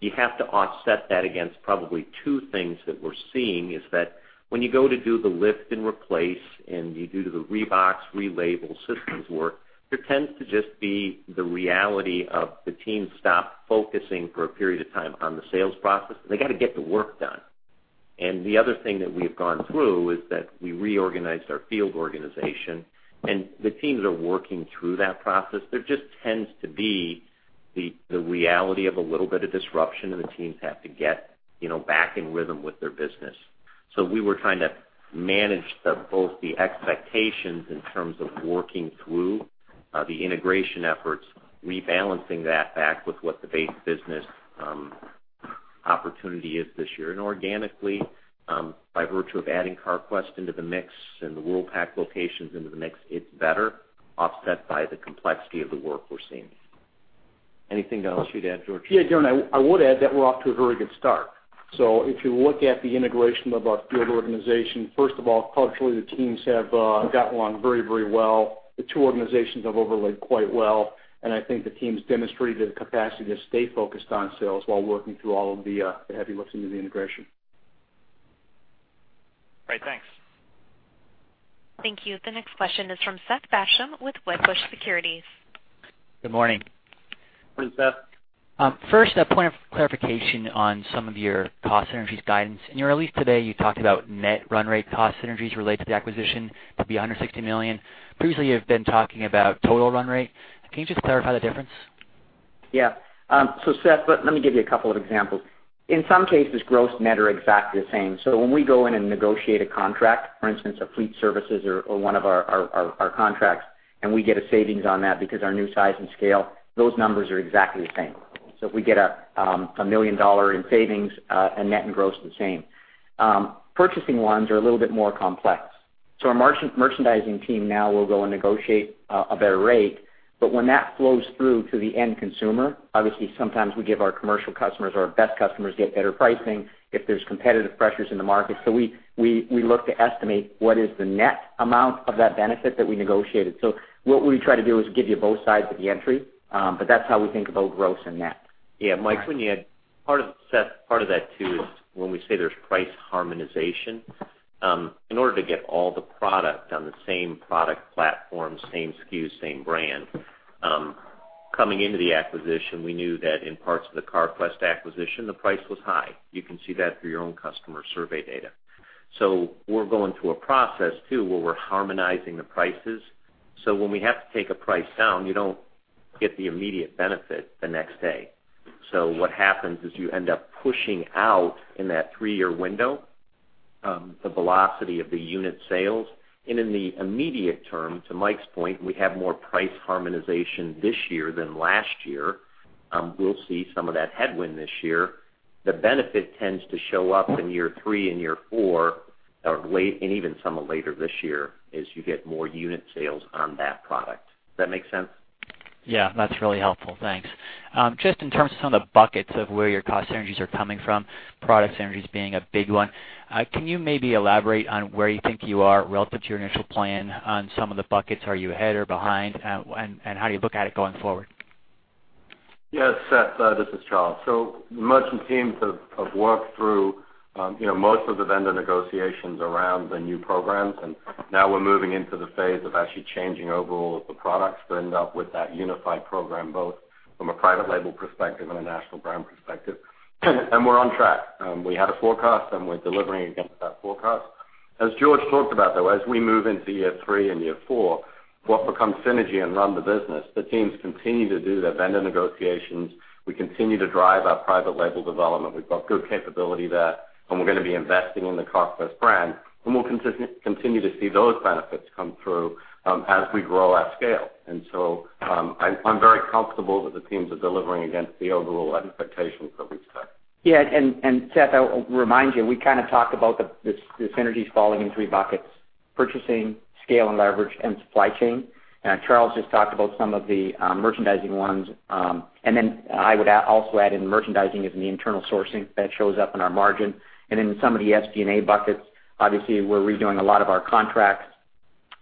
You have to offset that against probably two things that we're seeing is that when you go to do the lift and replace and you do to the rebox, relabel systems work, there tends to just be the reality of the team stop focusing for a period of time on the sales process. They got to get the work done. The other thing that we've gone through is that we reorganized our field organization, and the teams are working through that process. There just tends to be the reality of a little bit of disruption and the teams have to get back in rhythm with their business. We were trying to manage both the expectations in terms of working through the integration efforts, rebalancing that back with what the base business opportunity is this year. Organically, by virtue of adding Carquest into the mix and the Worldpac locations into the mix, it's better offset by the complexity of the work we're seeing. Anything else you'd add, George? Yeah, Darren, I would add that we're off to a very good start. If you look at the integration of our field organization, first of all, culturally, the teams have got along very well. The two organizations have overlaid quite well, and I think the team's demonstrated the capacity to stay focused on sales while working through all of the heavy lifts into the integration. Great. Thanks. Thank you. The next question is from Seth Basham with Wedbush Securities. Good morning. Morning, Seth. First, a point of clarification on some of your cost synergies guidance. In your release today, you talked about net run rate cost synergies related to the acquisition to be under $60 million. Previously, you've been talking about total run rate. Can you just clarify the difference? Seth, let me give you a couple of examples. In some cases, gross and net are exactly the same. When we go in and negotiate a contract, for instance, a fleet services or one of our contracts, and we get a savings on that because our new size and scale, those numbers are exactly the same. If we get a $1 million in savings, net and gross the same. Purchasing ones are a little bit more complex. Our merchandising team now will go and negotiate a better rate, but when that flows through to the end consumer, obviously sometimes we give our commercial customers or our best customers get better pricing if there's competitive pressures in the market. We look to estimate what is the net amount of that benefit that we negotiated. What we try to do is give you both sides of the entry, but that's how we think about gross and net. Mike, when you add part of Seth, part of that too is when we say there's price harmonization, in order to get all the product on the same product platform, same SKU, same brand, coming into the acquisition, we knew that in parts of the Carquest acquisition, the price was high. You can see that through your own customer survey data. We're going through a process, too, where we're harmonizing the prices. When we have to take a price down, you don't get the immediate benefit the next day. What happens is you end up pushing out in that 3-year window, the velocity of the unit sales. In the immediate term, to Mike's point, we have more price harmonization this year than last year. We'll see some of that headwind this year. The benefit tends to show up in year 3 and year 4, and even some later this year as you get more unit sales on that product. Does that make sense? Yeah. That's really helpful. Thanks. Just in terms of some of the buckets of where your cost synergies are coming from, product synergies being a big one, can you maybe elaborate on where you think you are relative to your initial plan on some of the buckets? Are you ahead or behind, and how do you look at it going forward? Yes, Seth, this is Charles. Merchant teams have worked through most of the vendor negotiations around the new programs. Now we're moving into the phase of actually changing over all of the products to end up with that unified program, both from a private label perspective and a national brand perspective. We're on track. We had a forecast. We're delivering against that forecast. As George talked about, though, as we move into year three and year four, what becomes synergy and run the business, the teams continue to do their vendor negotiations. We continue to drive our private label development. We've got good capability there, and we're going to be investing in the Carquest brand. We'll continue to see those benefits come through, as we grow at scale. I'm very comfortable that the teams are delivering against the overall expectations that we've set. Yeah, Seth, I'll remind you, we kind of talked about the synergies falling in three buckets Purchasing scale and leverage and supply chain. Charles just talked about some of the merchandising ones. Then I would also add in merchandising is the internal sourcing that shows up in our margin. In some of the SG&A buckets, obviously, we're redoing a lot of our contracts.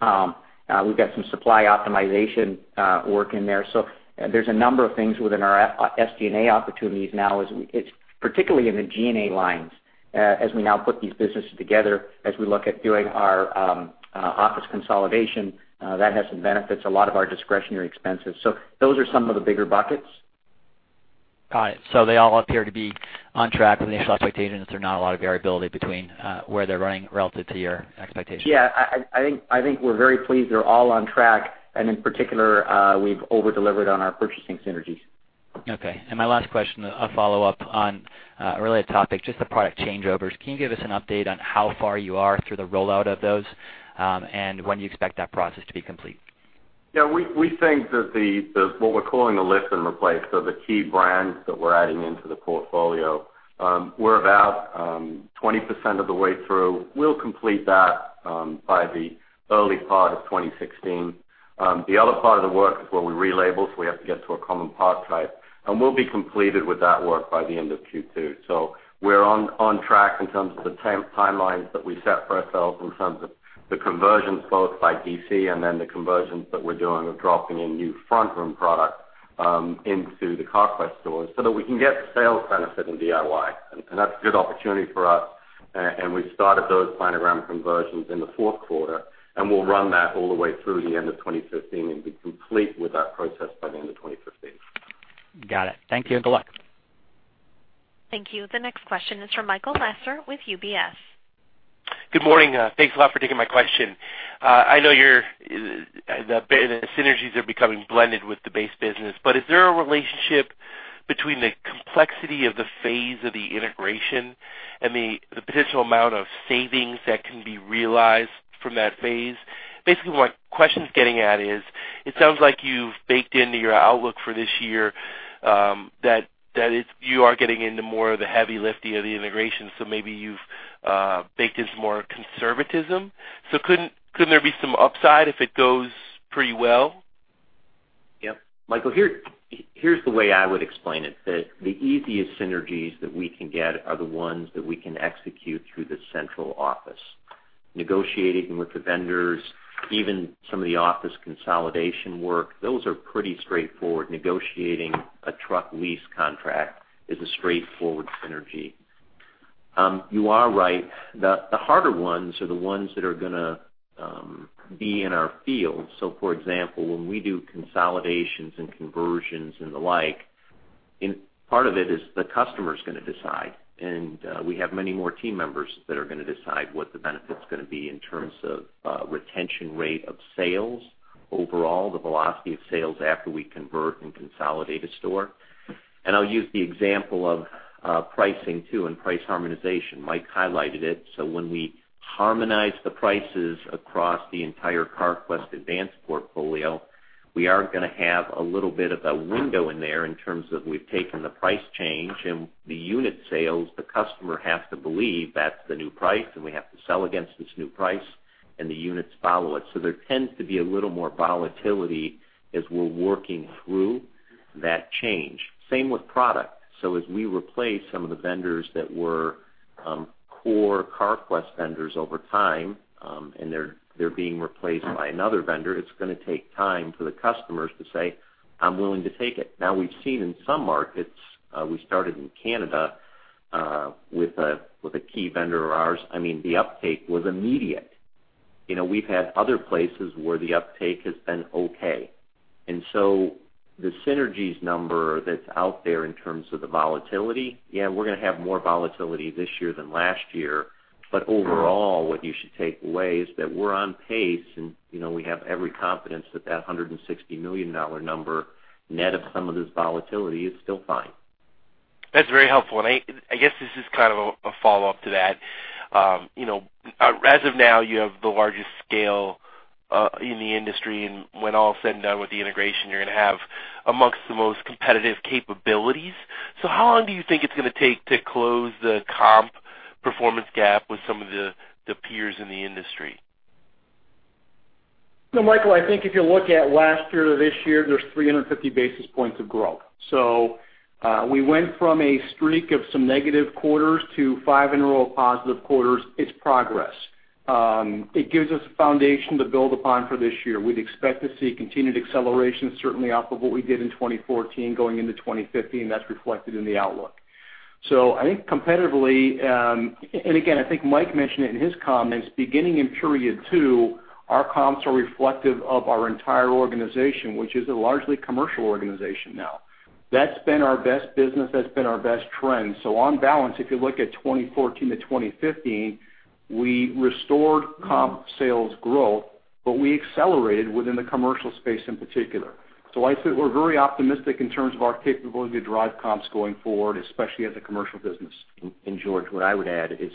We've got some supply optimization work in there. There's a number of things within our SG&A opportunities now, it's particularly in the G&A lines, as we now put these businesses together, as we look at doing our office consolidation, that has some benefits, a lot of our discretionary expenses. Those are some of the bigger buckets. Got it. They all appear to be on track with initial expectations. There are not a lot of variability between where they're running relative to your expectations. Yeah, I think we're very pleased they're all on track. In particular, we've over-delivered on our purchasing synergies. Okay. My last question, a follow-up on earlier topic, just the product changeovers. Can you give us an update on how far you are through the rollout of those? When do you expect that process to be complete? Yeah. We think that what we're calling the lift and replace, so the key brands that we're adding into the portfolio, we're about 20% of the way through. We'll complete that by the early part of 2016. The other part of the work is where we relabel, so we have to get to a common part type, and we'll be completed with that work by the end of Q2. We're on track in terms of the timelines that we set for ourselves in terms of the conversions, both by DC and then the conversions that we're doing of dropping in new front room product into the Carquest stores so that we can get the sales benefit in DIY. That's a good opportunity for us, and we've started those planogram conversions in the fourth quarter, and we'll run that all the way through the end of 2015 and be complete with that process by the end of 2015. Got it. Thank you. Good luck. Thank you. The next question is from Michael Lasser with UBS. Good morning. Thanks a lot for taking my question. I know the synergies are becoming blended with the base business, but is there a relationship between the complexity of the phase of the integration and the potential amount of savings that can be realized from that phase? Basically, what question's getting at is, it sounds like you've baked into your outlook for this year that you are getting into more of the heavy lifting of the integration, so maybe you've baked in some more conservatism. Couldn't there be some upside if it goes pretty well? Yep. Michael, here's the way I would explain it, that the easiest synergies that we can get are the ones that we can execute through the central office. Negotiating with the vendors, even some of the office consolidation work, those are pretty straightforward. Negotiating a truck lease contract is a straightforward synergy. You are right. The harder ones are the ones that are going to be in our field. For example, when we do consolidations and conversions and the like, part of it is the customer's going to decide, and we have many more team members that are going to decide what the benefit's going to be in terms of retention rate of sales overall, the velocity of sales after we convert and consolidate a store. I'll use the example of pricing, too, and price harmonization. Mike Norona highlighted it. When we harmonize the prices across the entire Carquest Advance portfolio, we are going to have a little bit of a window in there in terms of we've taken the price change and the unit sales, the customer has to believe that's the new price, and we have to sell against this new price, and the units follow it. There tends to be a little more volatility as we're working through that change. Same with product. As we replace some of the vendors that were core Carquest vendors over time, and they're being replaced by another vendor, it's going to take time for the customers to say, "I'm willing to take it." Now, we've seen in some markets, we started in Canada, with a key vendor of ours. I mean, the uptake was immediate. We've had other places where the uptake has been okay. The synergies number that's out there in terms of the volatility, yeah, we're going to have more volatility this year than last year. But overall, what you should take away is that we're on pace and we have every confidence that that $160 million number, net of some of this volatility, is still fine. That's very helpful. I guess this is kind of a follow-up to that. As of now, you have the largest scale, in the industry, and when all is said and done with the integration, you're going to have amongst the most competitive capabilities. How long do you think it's going to take to close the comp performance gap with some of the peers in the industry? Michael, I think if you look at last year to this year, there's 350 basis points of growth. We went from a streak of some negative quarters to five in a row of positive quarters. It's progress. It gives us a foundation to build upon for this year. We'd expect to see continued acceleration, certainly off of what we did in 2014 going into 2015, that's reflected in the outlook. I think competitively, and again, I think Mike mentioned it in his comments, beginning in period 2, our comps are reflective of our entire organization, which is a largely commercial organization now. That's been our best business, that's been our best trend. On balance, if you look at 2014 to 2015, we restored comp sales growth, but we accelerated within the commercial space in particular. I'd say we're very optimistic in terms of our capability to drive comps going forward, especially as a commercial business. George, what I would add is,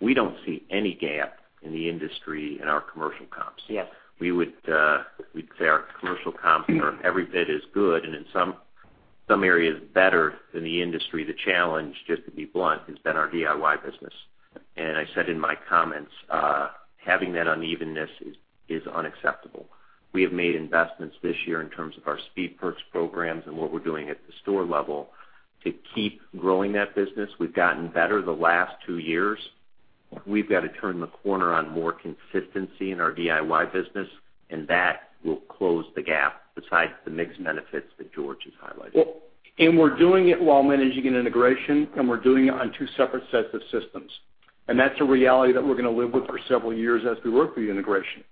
we don't see any gap in the industry in our commercial comps. Yes. We'd say our commercial comps are every bit as good, and in some Some areas better than the industry. The challenge, just to be blunt, has been our DIY business. I said in my comments, having that unevenness is unacceptable. We have made investments this year in terms of our Speed Perks programs and what we're doing at the store level to keep growing that business. We've gotten better the last two years. We've got to turn the corner on more consistency in our DIY business, and that will close the gap besides the mixed benefits that George has highlighted. We're doing it while managing an integration, and we're doing it on two separate sets of systems. That's a reality that we're going to live with for several years as we work through the integration.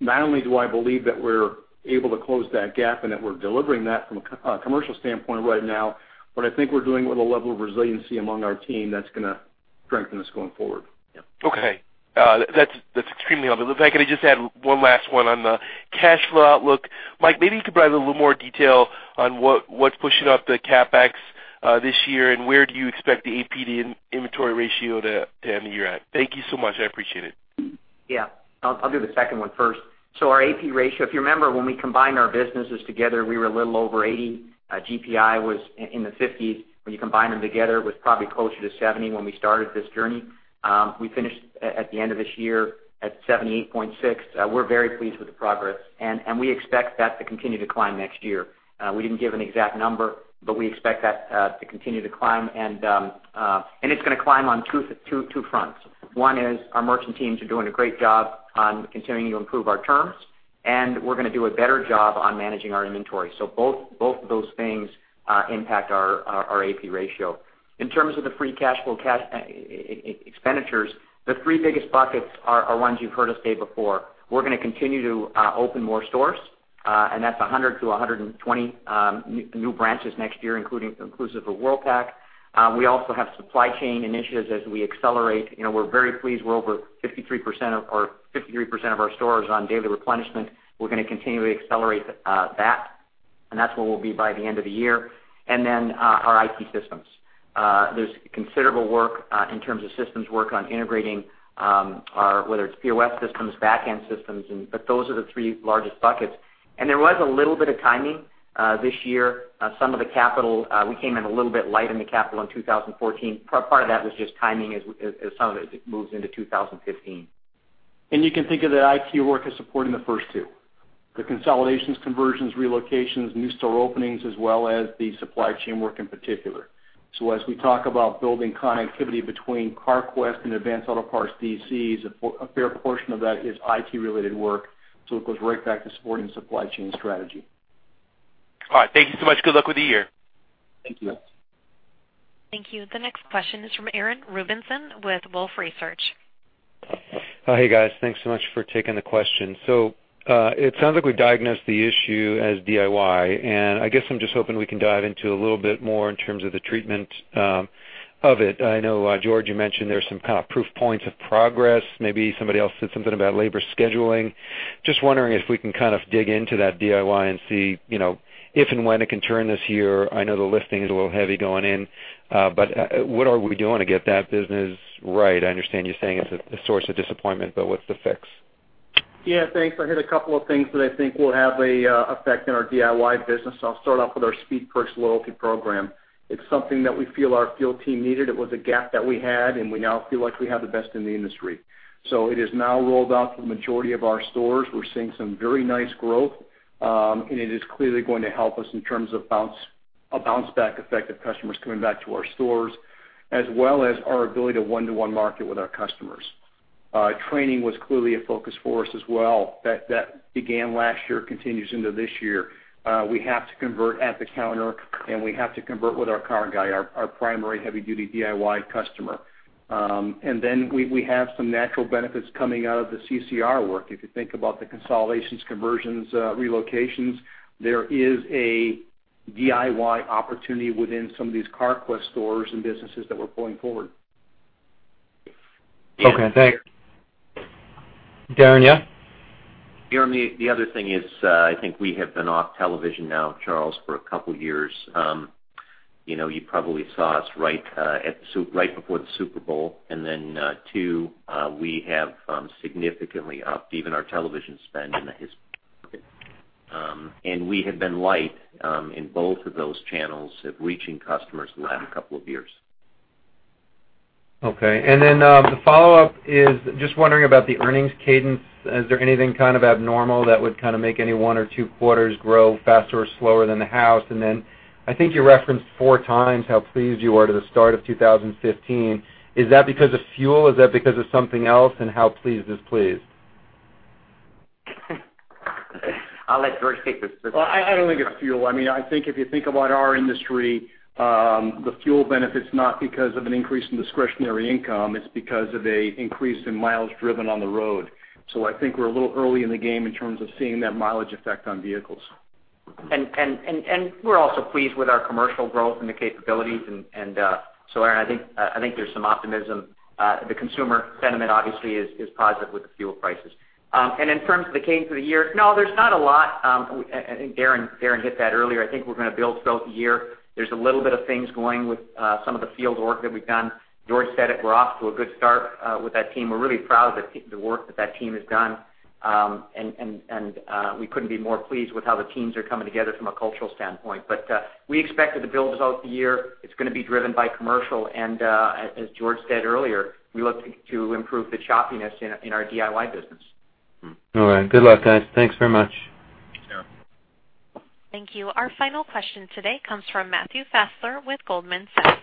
Not only do I believe that we're able to close that gap and that we're delivering that from a commercial standpoint right now, but I think we're doing with a level of resiliency among our team that's going to strengthen us going forward. Yeah. Okay. That's extremely helpful. In fact, can I just add one last one on the cash flow outlook? Mike, maybe you could provide a little more detail on what's pushing up the CapEx this year, and where do you expect the AP to inventory ratio to end the year at. Thank you so much. I appreciate it. I'll do the second one first. Our AP ratio, if you remember, when we combined our businesses together, we were a little over 80. GPI was in the 50s. When you combine them together, it was probably closer to 70 when we started this journey. We finished at the end of this year at 78.6. We're very pleased with the progress, and we expect that to continue to climb next year. We didn't give an exact number, but we expect that to continue to climb and it's going to climb on two fronts. One is our merchant teams are doing a great job on continuing to improve our terms, and we're going to do a better job on managing our inventory. Both those things impact our AP ratio. In terms of the free cash flow expenditures, the three biggest buckets are ones you've heard us say before. We're going to continue to open more stores, that's 100 to 120 new branches next year, inclusive of Worldpac. We also have supply chain initiatives as we accelerate. We're very pleased we're over 53% of our stores on daily replenishment. That's where we'll be by the end of the year. Our IT systems. There's considerable work in terms of systems work on integrating, whether it's POS systems, backend systems, those are the three largest buckets. There was a little bit of timing this year. Some of the capital, we came in a little bit light in the capital in 2014. Part of that was just timing as some of it moves into 2015. You can think of the IT work as supporting the first two, the consolidations, conversions, relocations, new store openings, as well as the supply chain work in particular. As we talk about building connectivity between Carquest and Advance Auto Parts DCs, a fair portion of that is IT-related work. It goes right back to supporting the supply chain strategy. All right. Thank you so much. Good luck with the year. Thank you. Thank you. The next question is from Aaron Rubinson with Wolfe Research. Hey, guys. Thanks so much for taking the question. It sounds like we've diagnosed the issue as DIY, and I guess I'm just hoping we can dive into a little bit more in terms of the treatment of it. I know, George, you mentioned there's some kind of proof points of progress. Maybe somebody else said something about labor scheduling. Just wondering if we can kind of dig into that DIY and see if and when it can turn this year. I know the lifting is a little heavy going in. What are we doing to get that business right? I understand you're saying it's a source of disappointment, but what's the fix? Yeah, thanks. I hit a couple of things that I think will have a effect on our DIY business. I'll start off with our Speed Perks loyalty program. It's something that we feel our field team needed. It was a gap that we had, and we now feel like we have the best in the industry. It is now rolled out to the majority of our stores. We're seeing some very nice growth, and it is clearly going to help us in terms of a bounce back effect of customers coming back to our stores, as well as our ability to one-to-one market with our customers. Training was clearly a focus for us as well. That began last year, continues into this year. We have to convert at the counter, and we have to convert with our Car Guy, our primary heavy duty DIY customer. We have some natural benefits coming out of the CCR work. If you think about the consolidations, conversions, relocations, there is a DIY opportunity within some of these Carquest stores and businesses that we're pulling forward. Okay, thanks. Darren, yeah? Aaron the other thing is, I think we have been off television now, Charles, for a couple of years. You probably saw us right before the Super Bowl. Two, we have significantly upped even our television spend in the. We have been light in both of those channels of reaching customers the last couple of years. Okay. The follow-up is just wondering about the earnings cadence. Is there anything kind of abnormal that would kind of make any one or two quarters grow faster or slower than the house? I think you referenced four times how pleased you are to the start of 2015. Is that because of fuel? Is that because of something else? How pleased is pleased? I'll let George take this. I don't think it's fuel. I think if you think about our industry, the fuel benefit's not because of an increase in discretionary income, it's because of an increase in miles driven on the road. I think we're a little early in the game in terms of seeing that mileage effect on vehicles. We're also pleased with our commercial growth and the capabilities. Aaron, I think there's some optimism. The consumer sentiment obviously is positive with the fuel prices. In terms of the gain for the year, no, there's not a lot. I think Darren hit that earlier. I think we're going to build throughout the year. There's a little bit of things going with some of the field work that we've done. George said it, we're off to a good start with that team. We're really proud of the work that team has done. We couldn't be more pleased with how the teams are coming together from a cultural standpoint. We expected to build throughout the year. It's going to be driven by commercial, and as George said earlier, we look to improve the choppiness in our DIY business. All right. Good luck, guys. Thanks very much. Sure. Thank you. Our final question today comes from Matthew Fassler with Goldman Sachs.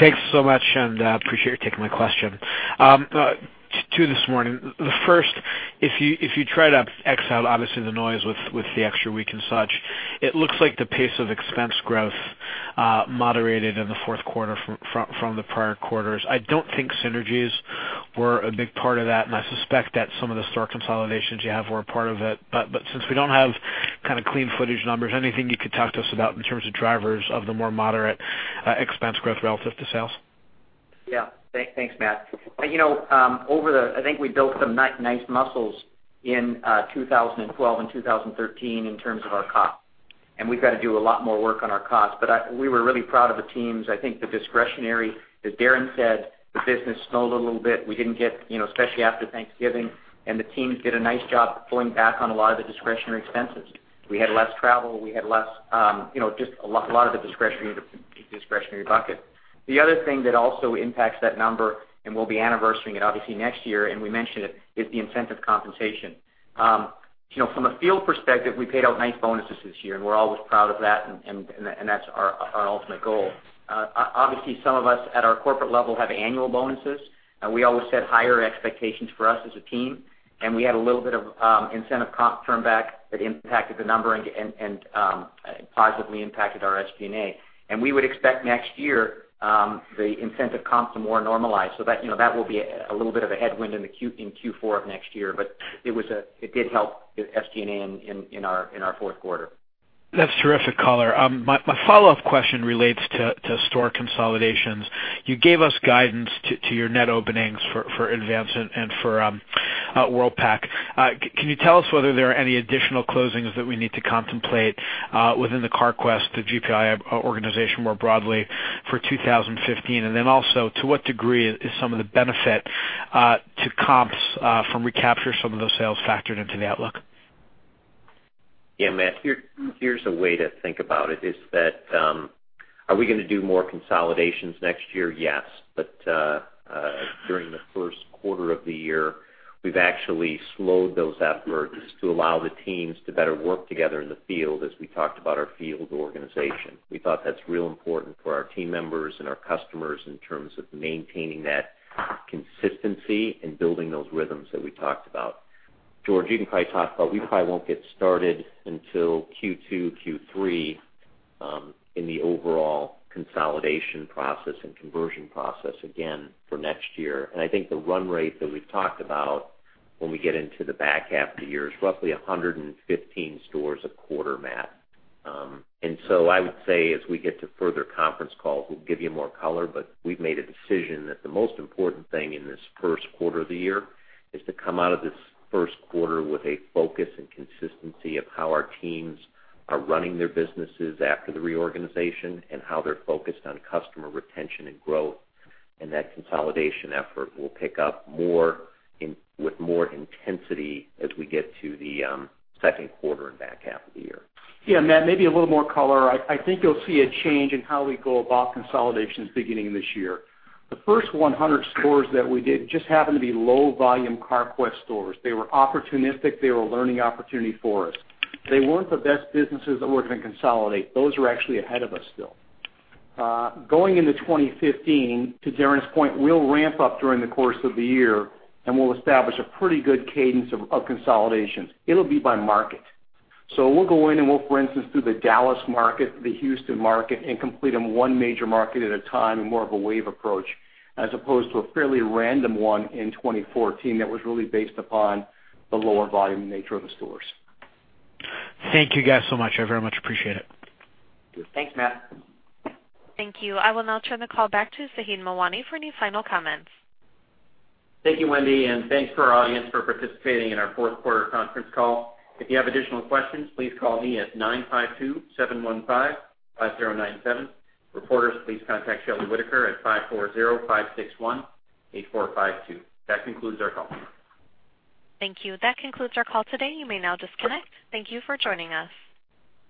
Thanks so much. Appreciate you taking my question. Two this morning. The first, if you try to exile, obviously the noise with the extra week and such, it looks like the pace of expense growth moderated in the fourth quarter from the prior quarters. I don't think synergies were a big part of that. I suspect that some of the store consolidations you have were a part of it. Since we don't have clean footage numbers, anything you could talk to us about in terms of drivers of the more moderate expense growth relative to sales? Thanks, Matt. I think we built some nice muscles in 2012 and 2013 in terms of our cost. We've got to do a lot more work on our costs. We were really proud of the teams. I think the discretionary, as Darren said, the business slowed a little bit. Especially after Thanksgiving, the teams did a nice job pulling back on a lot of the discretionary expenses. We had less travel, just a lot of the discretionary bucket. The other thing that also impacts that number, will be anniversarying it obviously next year, we mentioned it, is the incentive compensation. From a field perspective, we paid out nice bonuses this year. We're always proud of that. That's our ultimate goal. Obviously, some of us at our corporate level have annual bonuses. We always set higher expectations for us as a team. We had a little bit of incentive comp turn back that impacted the number and positively impacted our SG&A. We would expect next year, the incentive comps to more normalize. That will be a little bit of a headwind in Q4 of next year. It did help SG&A in our fourth quarter. That's terrific color. My follow-up question relates to store consolidations. You gave us guidance to your net openings for Advance and for Worldpac. Can you tell us whether there are any additional closings that we need to contemplate within the Carquest or GPI organization more broadly for 2015? To what degree is some of the benefit to comps from recapture some of those sales factored into the outlook? Matt, here's a way to think about it, are we going to do more consolidations next year? Yes. During the first quarter of the year, we've actually slowed those efforts to allow the teams to better work together in the field as we talked about our field organization. We thought that's real important for our team members and our customers in terms of maintaining that consistency and building those rhythms that we talked about. George, you can probably talk about, we probably won't get started until Q2, Q3, in the overall consolidation process and conversion process again for next year. I think the run rate that we've talked about when we get into the back half of the year is roughly 115 stores a quarter, Matt. I would say as we get to further conference calls, we'll give you more color, but we've made a decision that the most important thing in this first quarter of the year is to come out of this first quarter with a focus and consistency of how our teams are running their businesses after the reorganization and how they're focused on customer retention and growth. That consolidation effort will pick up more with more intensity as we get to the second quarter and back half of the year. Matt, maybe a little more color. I think you'll see a change in how we go about consolidations beginning this year. The first 100 stores that we did just happened to be low-volume Carquest stores. They were opportunistic. They were a learning opportunity for us. They weren't the best businesses that we're going to consolidate. Those are actually ahead of us still. Going into 2015, to Darren's point, we'll ramp up during the course of the year, we'll establish a pretty good cadence of consolidations. It'll be by market. We'll go in and we'll, for instance, do the Dallas market, the Houston market, complete them one major market at a time in more of a wave approach, as opposed to a fairly random one in 2014 that was really based upon the lower volume nature of the stores. Thank you guys so much. I very much appreciate it. Thanks, Matt. Thank you. I will now turn the call back to Zaheed Mawani for any final comments. Thank you, Wendy, and thanks to our audience for participating in our fourth quarter conference call. If you have additional questions, please call me at 952-715-5097. Reporters, please contact Shelley Whitaker at 540-561-8452. That concludes our call. Thank you. That concludes our call today. You may now disconnect. Thank you for joining us.